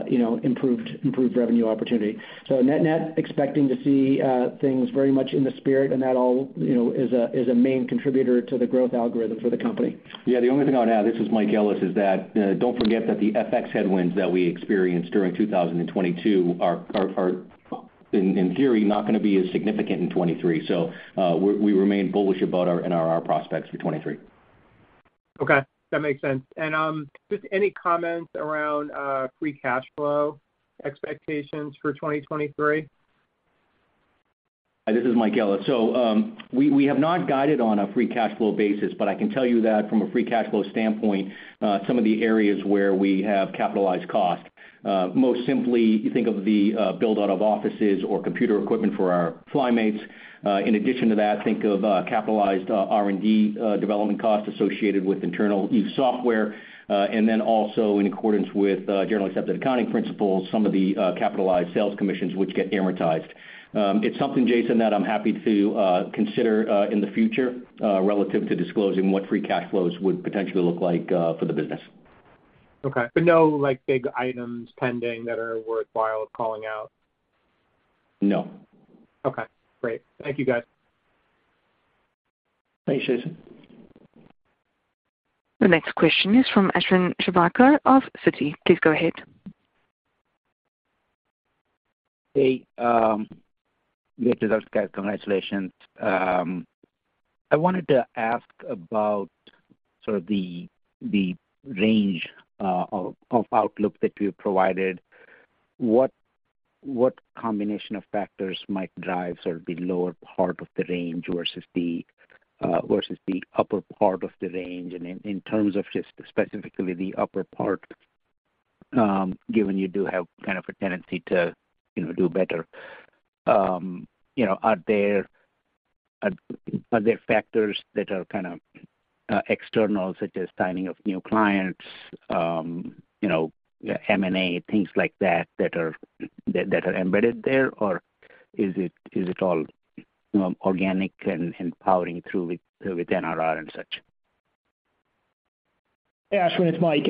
you know, improved revenue opportunity. Net net, expecting to see, things very much in the spirit, and that all, you know, is a, is a main contributor to the growth algorithm for the company. Yeah. The only thing I would add, this is Michael Ellis, is that, don't forget that the FX headwinds that we experienced during 2022 are in theory, not gonna be as significant in 2023. We remain bullish about our NRR prospects for 2023.
Okay. That makes sense. Just any comments around free cash flow expectations for 2023?
This is Michael Ellis. We have not guided on a free cash flow basis, but I can tell you that from a free cash flow standpoint, some of the areas where we have capitalized cost, most simply you think of the build-out of offices or computer equipment for our FlyMates. In addition to that, think of capitalized R&D development costs associated with internal software. And then also in accordance with generally accepted accounting principles, some of the capitalized sales commissions which get amortized. It's something, Jason, that I'm happy to consider in the future relative to disclosing what free cash flows would potentially look like for the business.
Okay. No, like, big items pending that are worthwhile calling out?
No.
Okay, great. Thank you, guys.
Thanks, Jason.
The next question is from Ashwin Shirvaikar of Citi. Please go ahead.
Hey, great results, guys. Congratulations. I wanted to ask about sort of the range of outlook that you've provided. What combination of factors might drive sort of the lower part of the range versus the versus the upper part of the range? And in terms of just specifically the upper part, given you do have kind of a tendency to, you know, do better, you know, are there factors that are kind of external, such as timing of new clients, you know, M&A, things like that are embedded there? Or is it, is it all, you know, organic and powering through with NRR and such?
Ashwin, it's Mike.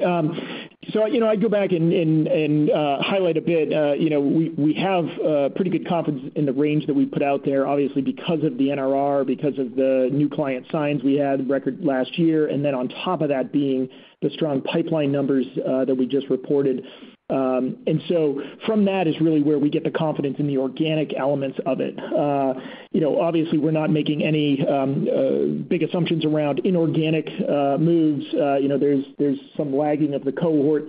So, you know, I'd go back and highlight a bit. You know, we have pretty good confidence in the range that we put out there, obviously because of the NRR, because of the new client signs we had record last year. Then on top of that being the strong pipeline numbers that we just reported. From that is really where we get the confidence in the organic elements of it. You know, obviously we're not making any big assumptions around inorganic moves. You know, there's some lagging of the cohort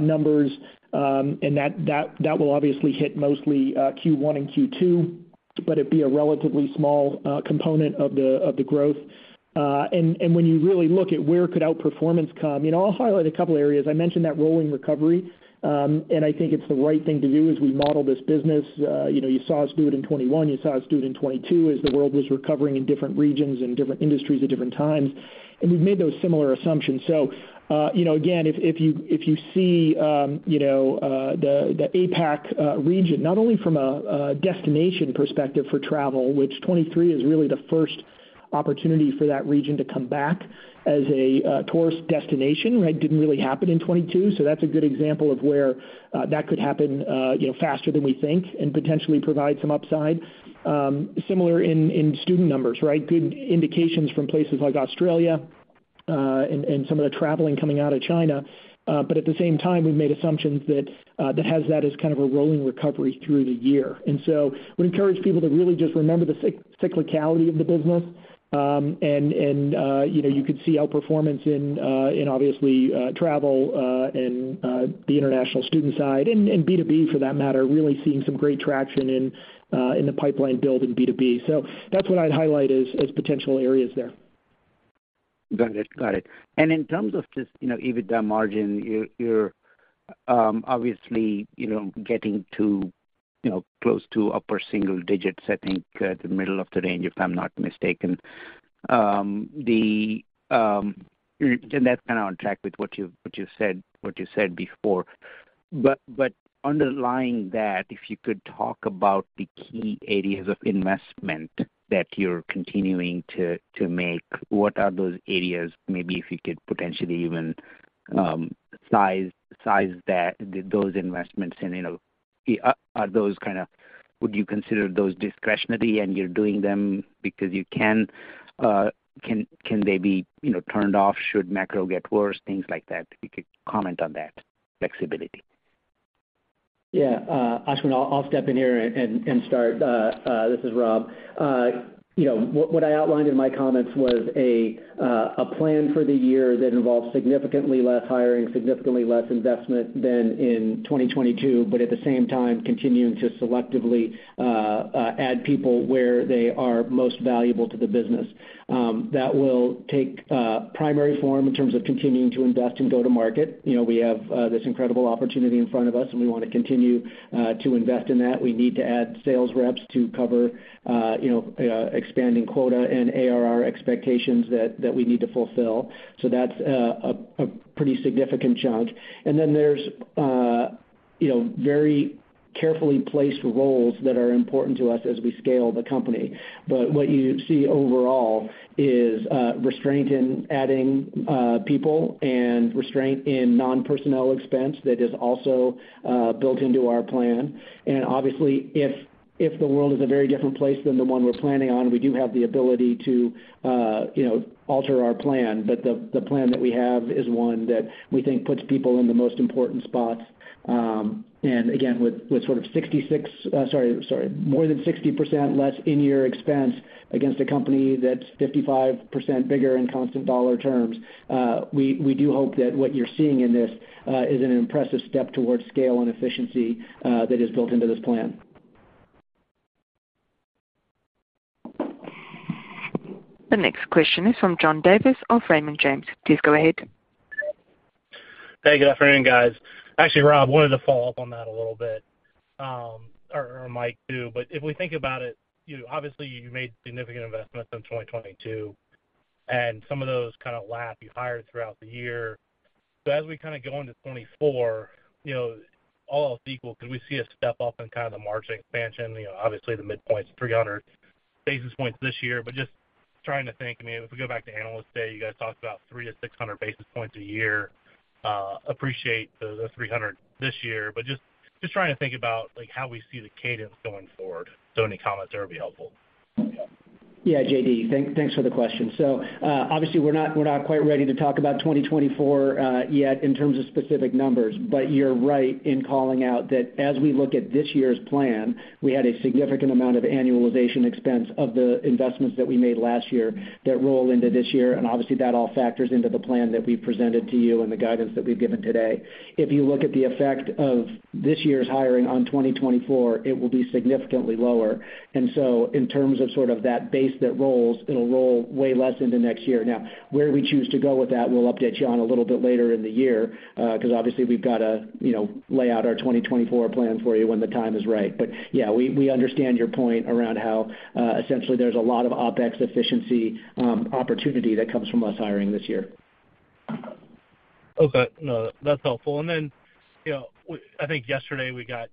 numbers, and that will obviously hit mostly Q1 and Q2, but it'd be a relatively small component of the growth. When you really look at where could outperformance come, you know, I'll highlight a couple areas. I mentioned that rolling recovery, and I think it's the right thing to do as we model this business. You know, you saw us do it in 2021, you saw us do it in 2022 as the world was recovering in different regions and different industries at different times, and we've made those similar assumptions. You know, again, if you, if you see, you know, the APAC region, not only from a destination perspective for travel, which 2023 is really the first opportunity for that region to come back as a tourist destination, right? Didn't really happen in 2022. That's a good example of where that could happen, you know, faster than we think and potentially provide some upside. Similar in student numbers, right? Good indications from places like Australia, and some of the traveling coming out of China. At the same time, we've made assumptions that that has that as kind of a rolling recovery through the year. We encourage people to really just remember the cyclicality of the business. And, you know, you could see outperformance in obviously travel, and the international student side and B2B for that matter, really seeing some great traction in the pipeline build in B2B. That's what I'd highlight as potential areas there.
Got it. Got it. In terms of just, you know, EBITDA margin, you're obviously, you know, getting to, you know, close to upper single digits, I think the middle of the range, if I'm not mistaken. The, and that's kind of on track with what you said before. Underlying that, if you could talk about the key areas of investment that you're continuing to make, what are those areas? Maybe if you could potentially even size that, those investments and, you know, are those kind of... Would you consider those discretionary and you're doing them because you can? Can they be, you know, turned off should macro get worse, things like that? If you could comment on that flexibility.
Yeah. Ashwin, I'll step in here and start. This is Rob. you know, what I outlined in my comments was a plan for the year that involves significantly less hiring, significantly less investment than in 2022, but at the same time, continuing to selectively add people where they are most valuable to the business. That will take primary form in terms of continuing to invest in go-to-market. You know, we have this incredible opportunity in front of us, and we wanna continue to invest in that. We need to add sales reps to cover, you know, expanding quota and ARR expectations that we need to fulfill. That's a pretty significant chunk. Then there's, you know, very carefully placed roles that are important to us as we scale the company. What you see overall is restraint in adding people and restraint in non-personnel expense that is also built into our plan. Obviously if the world is a very different place than the one we're planning on, we do have the ability to, you know, alter our plan. The plan that we have is one that we think puts people in the most important spots. And again, with sort of 66... sorry, more than 60% less in-year expense against a company that's 55% bigger in constant dollar terms, we do hope that what you're seeing in this is an impressive step towards scale and efficiency that is built into this plan.
The next question is from John Davis of Raymond James. Please go ahead.
Hey, good afternoon, guys. Actually, Rob wanted to follow up on that a little bit, or Mike too. If we think about it, you know, obviously you made significant investments in 2022, and some of those kind of lap you hired throughout the year. As we kind of go into 2024, you know, all else equal, can we see a step up in kind of the margin expansion? You know, obviously the midpoint's 300 basis points this year, but just trying to think, I mean, if we go back to Analyst Day, you guys talked about 300-600 basis points a year. Appreciate the 300 this year, but just trying to think about like how we see the cadence going forward. Any comments there would be helpful.
JD, thanks for the question. Obviously we're not quite ready to talk about 2024 yet in terms of specific numbers, but you're right in calling out that as we look at this year's plan, we had a significant amount of annualization expense of the investments that we made last year that roll into this year. Obviously that all factors into the plan that we presented to you and the guidance that we've given today. If you look at the effect of this year's hiring on 2024, it will be significantly lower. In terms of sort of that base that rolls, it'll roll way less into next year. Now, where we choose to go with that, we'll update you on a little bit later in the year, 'cause obviously we've gotta, you know, lay out our 2024 plan for you when the time is right. Yeah, we understand your point around how essentially there's a lot of OpEx efficiency opportunity that comes from us hiring this year.
Okay. No, that's helpful. Then, you know, I think yesterday we got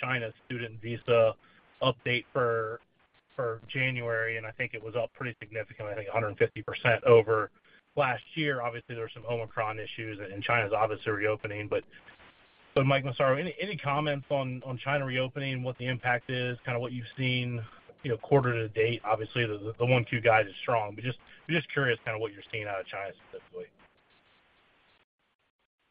China student visa update for.
For January, I think it was up pretty significantly, I think 150% over last year. Obviously, there were some Omicron issues, and China's obviously reopening. Mike Massaro, any comments on China reopening, what the impact is, kinda what you've seen, you know, quarter to date? Obviously, the one, two guide is strong, we're just curious kinda what you're seeing out of China specifically.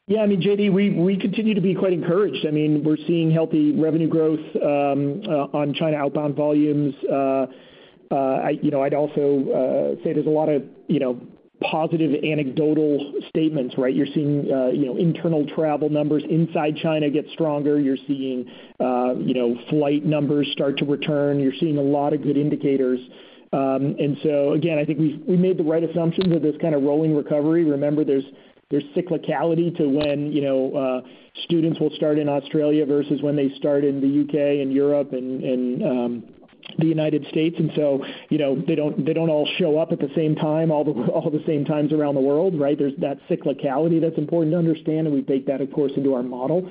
Yeah, I mean, JD, we continue to be quite encouraged. I mean, we're seeing healthy revenue growth on China outbound volumes. You know, I'd also say there's a lot of, you know, positive anecdotal statements, right? You're seeing, you know, internal travel numbers inside China get stronger. You're seeing, you know, flight numbers start to return. You're seeing a lot of good indicators. Again, I think we made the right assumption with this kinda rolling recovery. Remember, there's cyclicality to when, you know, students will start in Australia versus when they start in the UK and Europe and the United States. You know, they don't all show up at the same time, all at the same times around the world, right? There's that cyclicality that's important to understand, and we bake that, of course, into our model.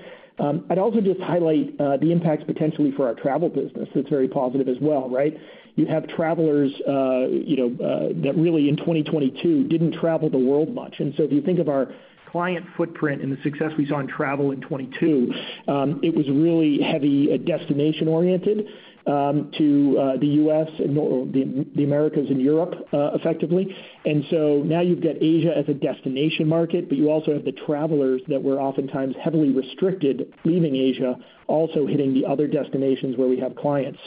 I'd also just highlight the impacts potentially for our travel business. That's very positive as well, right? You have travelers, you know, that really in 2022 didn't travel the world much. If you think of our client footprint and the success we saw in travel in 2022, it was really heavy destination-oriented to the U.S. the Americas and Europe effectively. Now you've got Asia as a destination market, but you also have the travelers that were oftentimes heavily restricted leaving Asia, also hitting the other destinations where we have clients.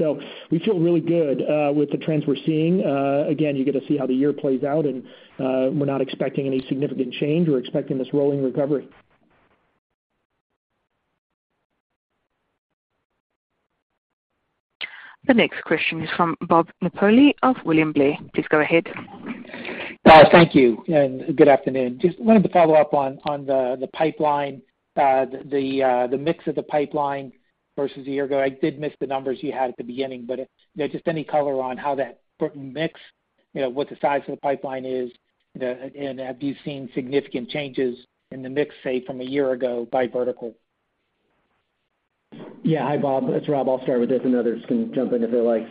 We feel really good with the trends we're seeing. Again, you get to see how the year plays out and we're not expecting any significant change. We're expecting this rolling recovery.
The next question is from Bob Napoli of William Blair. Please go ahead.
Thank you, and good afternoon. Just wanted to follow up on the pipeline, the mix of the pipeline versus a year ago. I did miss the numbers you had at the beginning, but, you know, just any color on how that mix, you know, what the size of the pipeline is? Have you seen significant changes in the mix, say from a year ago by vertical?
Yeah. Hi, Bob. It's Rob. I'll start with this, and others can jump in if they like.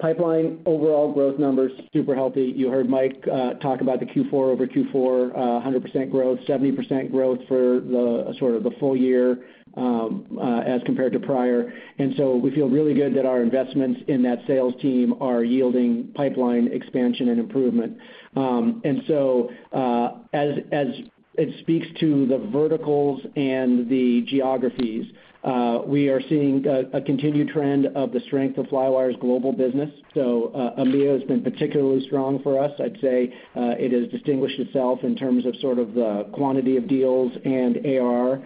Pipeline overall growth numbers super healthy. You heard Mike talk about the Q4 over Q4, 100% growth, 70% growth for the sort of the full year as compared to prior. We feel really good that our investments in that sales team are yielding pipeline expansion and improvement. As it speaks to the verticals and the geographies, we are seeing a continued trend of the strength of Flywire's global business. EMEA has been particularly strong for us. I'd say, it has distinguished itself in terms of sort of the quantity of deals and ARR.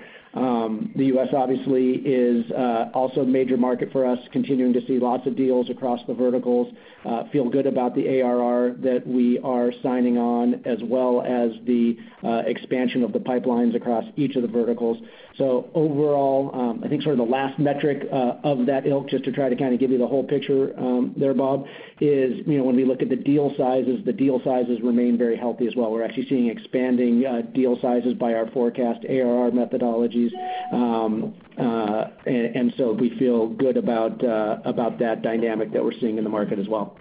The U.S. obviously is also a major market for us, continuing to see lots of deals across the verticals. Feel good about the ARR that we are signing on as well as the expansion of the pipelines across each of the verticals. Overall, I think sort of the last metric of that ilk, just to try to kinda give you the whole picture, there, Bob, is, you know, when we look at the deal sizes, the deal sizes remain very healthy as well. We're actually seeing expanding deal sizes by our forecast ARR methodologies. We feel good about that dynamic that we're seeing in the market as well.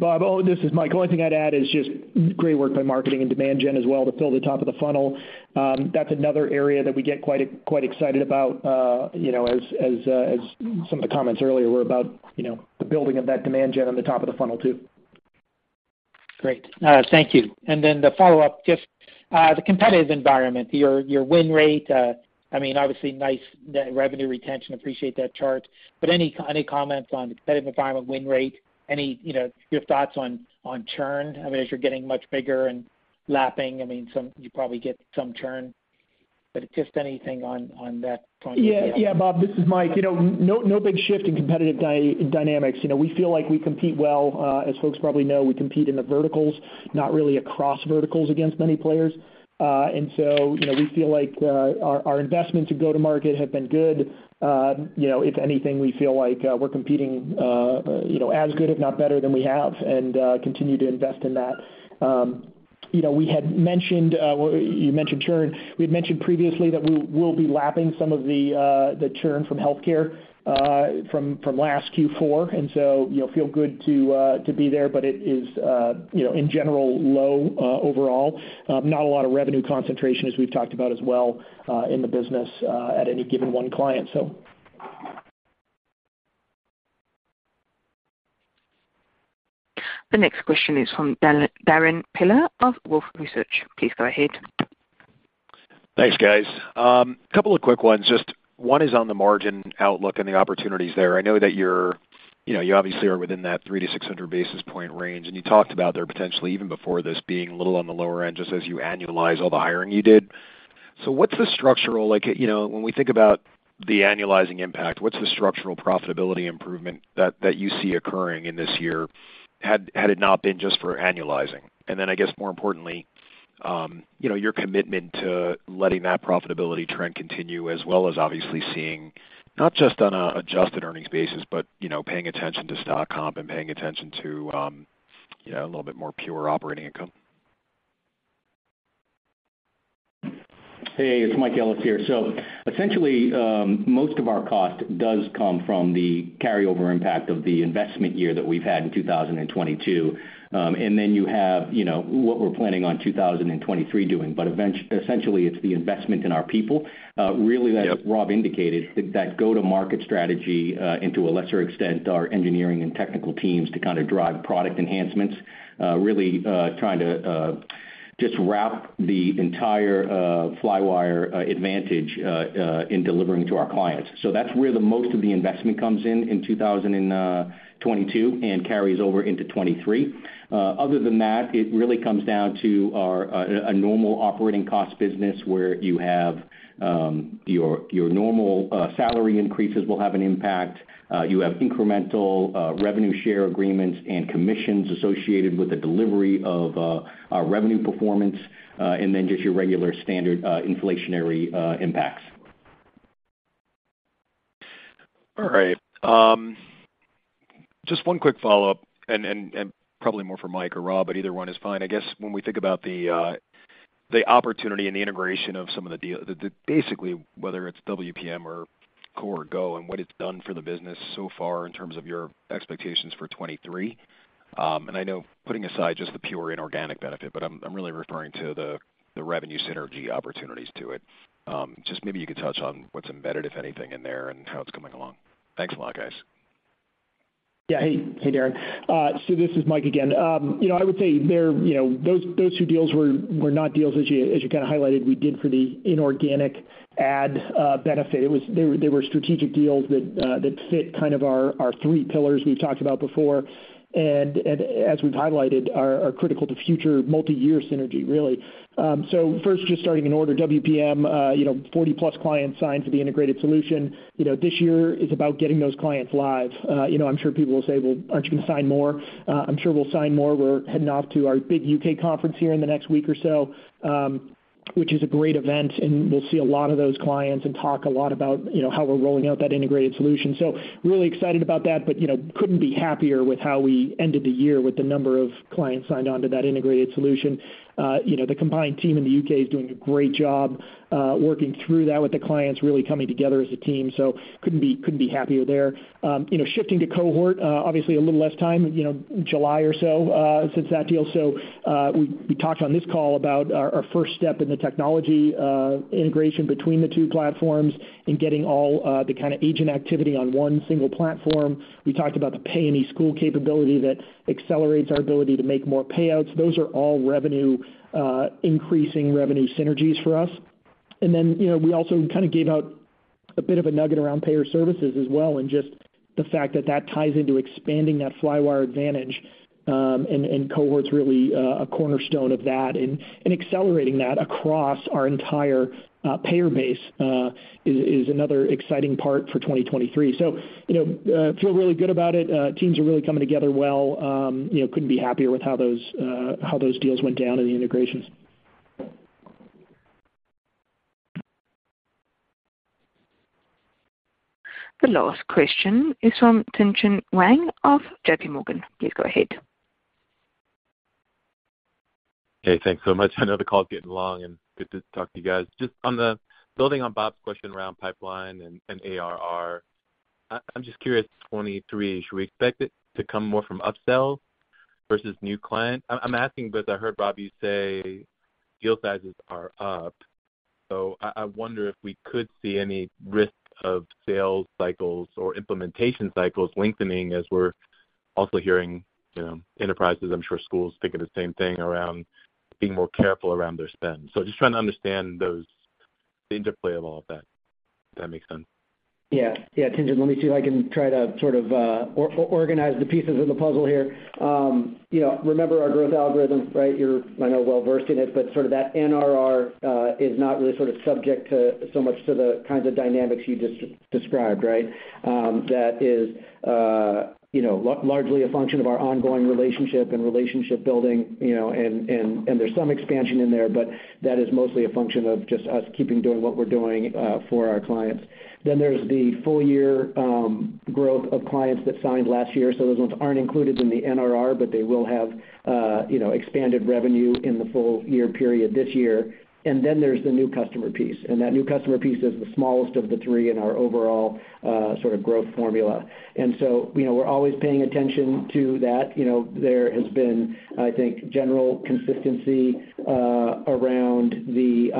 Bob, oh, this is Mike. Only thing I'd add is just great work by marketing and demand gen as well to fill the top of the funnel. That's another area that we get quite excited about, you know, as some of the comments earlier were about, you know, the building of that demand gen on the top of the funnel too.
Great. Thank you. The follow-up, just, the competitive environment, your win rate. I mean, obviously nice the revenue retention, appreciate that chart. Any comments on the competitive environment win rate? Any, you know, your thoughts on churn? I mean, as you're getting much bigger and lapping, I mean, you probably get some churn, but just anything on that point would be helpful.
Yeah, yeah, Bob, this is Mike. You know, no big shift in competitive dynamics. You know, we feel like we compete well. As folks probably know, we compete in the verticals, not really across verticals against many players. So, you know, we feel like our investment to go to market has been good. You know, if anything, we feel like we're competing, you know, as good if not better than we have and continue to invest in that. You know, we had mentioned, well, you mentioned churn. We had mentioned previously that we'll be lapping some of the churn from healthcare from last Q4. So, you know, feel good to be there, bu Not a lot of revenue concentration as we've talked about as well, in the business, at any given one client.
The next question is from Darrin Peller of Wolfe Research. Please go ahead.
Thanks, guys. Couple of quick ones. Just one is on the margin outlook and the opportunities there. I know that you know, you obviously are within that 300-600 basis point range, and you talked about there potentially even before this being a little on the lower end, just as you annualize all the hiring you did. What's the structural like, you know, when we think about the annualizing impact, what's the structural profitability improvement that you see occurring in this year had it not been just for annualizing? I guess more importantly, you know, your commitment to letting that profitability trend continue as well as obviously seeing not just on a adjusted earnings basis, but, you know, paying attention to stock comp and paying attention to, you know, a little bit more pure operating income.
Hey, it's Michael Ellis here. Essentially, most of our cost does come from the carryover impact of the investment year that we've had in 2022. You have, you know, what we're planning on 2023 doing. Essentially, it's the investment in our people, really, as Rob indicated, that go-to-market strategy, and to a lesser extent, our engineering and technical teams to kind of drive product enhancements, really, trying to just wrap the entire Flywire Advantage in delivering to our clients. That's where the most of the investment comes in in 2022 and carries over into 2023. Other than that, it really comes down to our a normal operating cost business, where you have your normal salary increases will have an impact. You have incremental revenue share agreements and commissions associated with the delivery of our revenue performance, and then just your regular standard inflationary impacts.
All right. Just one quick follow-up, and probably more for Mike or Rob, but either one is fine. I guess when we think about the opportunity and the integration of some of the basically, whether it's WPM or Cohort Go and what it's done for the business so far in terms of your expectations for 23, and I know putting aside just the pure inorganic benefit, but I'm really referring to the revenue synergy opportunities to it. Just maybe you could touch on what's embedded, if anything, in there and how it's coming along? Thanks a lot, guys.
Yeah. Hey. Hey, Darrin. So this is Mike again. You know, I would say there, you know, those two deals were not deals, as you kinda highlighted, we did for the inorganic ad benefit. They were strategic deals that fit kind of our three pillars we've talked about before. As we've highlighted, are critical to future multiyear synergy really. First, just starting an order WPM, you know, 40+ clients signed for the integrated solution. You know, this year is about getting those clients live. You know, I'm sure people will say, "Well, aren't you gonna sign more?" I'm sure we'll sign more. We're heading off to our big UK conference here in the next week or so, which is a great event, and we'll see a lot of those clients and talk a lot about, you know, how we're rolling out that integrated solution. Really excited about that, but, you know, couldn't be happier with how we ended the year with the number of clients signed onto that integrated solution. You know, the combined team in the UK is doing a great job, working through that with the clients, really coming together as a team. Couldn't be happier there. You know, shifting to Cohort, obviously a little less time, you know, July or so, since that deal. We talked on this call about our first step in the technology integration between the two platforms and getting all the kind of agent activity on one single platform. We talked about the Pay Any School capability that accelerates our ability to make more payouts. Those are all revenue increasing revenue synergies for us. You know, we also kind of gave out a bit of a nugget around payer services as well, and just the fact that that ties into expanding that Flywire Advantage, and Cohort's really a cornerstone of that. Accelerating that across our entire payer base is another exciting part for 2023. You know, feel really good about it. Teams are really coming together well. you know, couldn't be happier with how those deals went down and the integrations.
The last question is from Tien-Tsin Huang of JPMorgan. Please go ahead.
Hey, thanks so much. I know the call's getting long and good to talk to you guys. Just building on Bob's question around pipeline and ARR, I'm just curious, 2023, should we expect it to come more from upsells versus new client? I'm asking because I heard, Bob, you say deal sizes are up, so I wonder if we could see any risk of sales cycles or implementation cycles lengthening as we're also hearing, you know, enterprises, I'm sure schools thinking the same thing around being more careful around their spend. Just trying to understand those, the interplay of all of that, if that makes sense?
Yeah. Tien-Tsin, let me see if I can try to sort of organize the pieces of the puzzle here. You know, remember our growth algorithm, right? You're, I know, well-versed in it, but sort of that NRR is not really sort of subject to so much to the kinds of dynamics you just described, right? That is, you know, largely a function of our ongoing relationship and relationship building, you know, and there's some expansion in there, but that is mostly a function of just us keeping doing what we're doing for our clients. There's the full year growth of clients that signed last year, so those ones aren't included in the NRR, but they will have, you know, expanded revenue in the full year period this year. There's the new customer piece, and that new customer piece is the smallest of the three in our overall sort of growth formula. You know, we're always paying attention to that. You know, there has been, I think, general consistency around the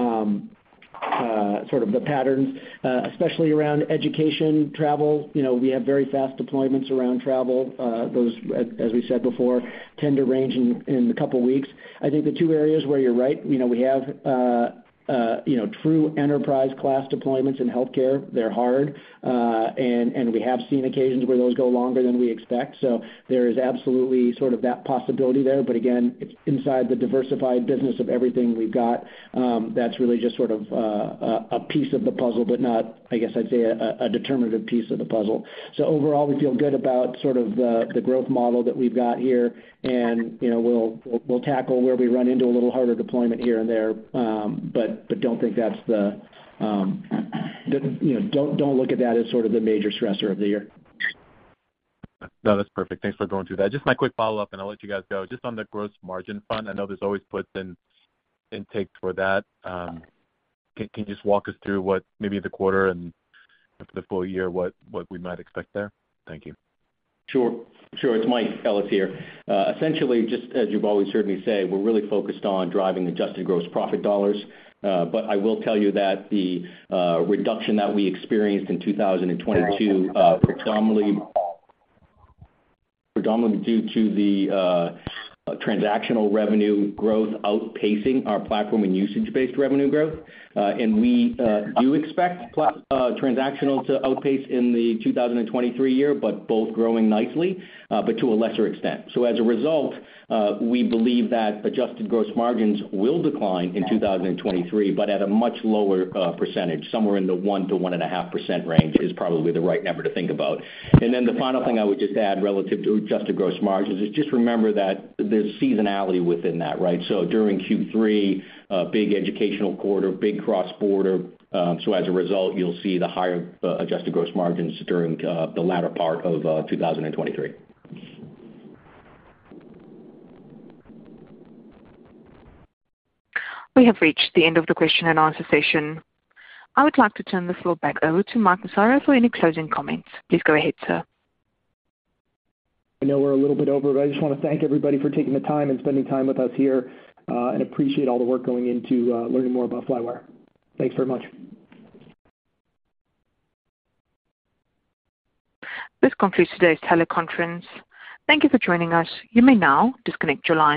sort of the patterns, especially around education, travel. You know, we have very fast deployments around travel. Those, as we said before, tend to range in a couple weeks. I think the two areas where you're right, you know, we have, you know, true enterprise class deployments in healthcare. They're hard. And we have seen occasions where those go longer than we expect. There is absolutely sort of that possibility there. Again, it's inside the diversified business of everything we've got, that's really just sort of a piece of the puzzle, but not, I guess I'd say, a determinative piece of the puzzle. Overall, we feel good about sort of the growth model that we've got here, and, you know, we'll tackle where we run into a little harder deployment here and there, but don't think that's the, you know, don't look at that as sort of the major stressor of the year.
No, that's perfect. Thanks for going through that. Just my quick follow-up, and I'll let you guys go. Just on the gross margin front, I know there's always puts and takes for that. Can you just walk us through what maybe the quarter and the full year, what we might expect there? Thank you.
Sure. Sure. It's Michael Ellis here. Essentially, just as you've always heard me say, we're really focused on driving Adjusted Gross Profit dollars. I will tell you that the reduction that we experienced in 2022, predominantly due to the transactional revenue growth outpacing our platform and usage-based revenue growth. We do expect transactional to outpace in the 2023 year, but both growing nicely, but to a lesser extent. As a result, we believe that Adjusted Gross Margins will decline in 2023, but at a much lower percentage. Somewhere in the 1-1.5% range is probably the right number to think about. Then the final thing I would just add relative to Adjusted Gross Margins is just remember that there's seasonality within that, right? During Q3, a big educational quarter, big cross-border, so as a result, you'll see the higher Adjusted gross margins during the latter part of 2023.
We have reached the end of the question and answer session. I would like to turn the floor back over to Mike Massaro for any closing comments. Please go ahead, sir.
I know we're a little bit over, but I just wanna thank everybody for taking the time and spending time with us here, and appreciate all the work going into learning more about Flywire. Thanks very much.
This concludes today's teleconference. Thank you for joining us. You may now disconnect your line.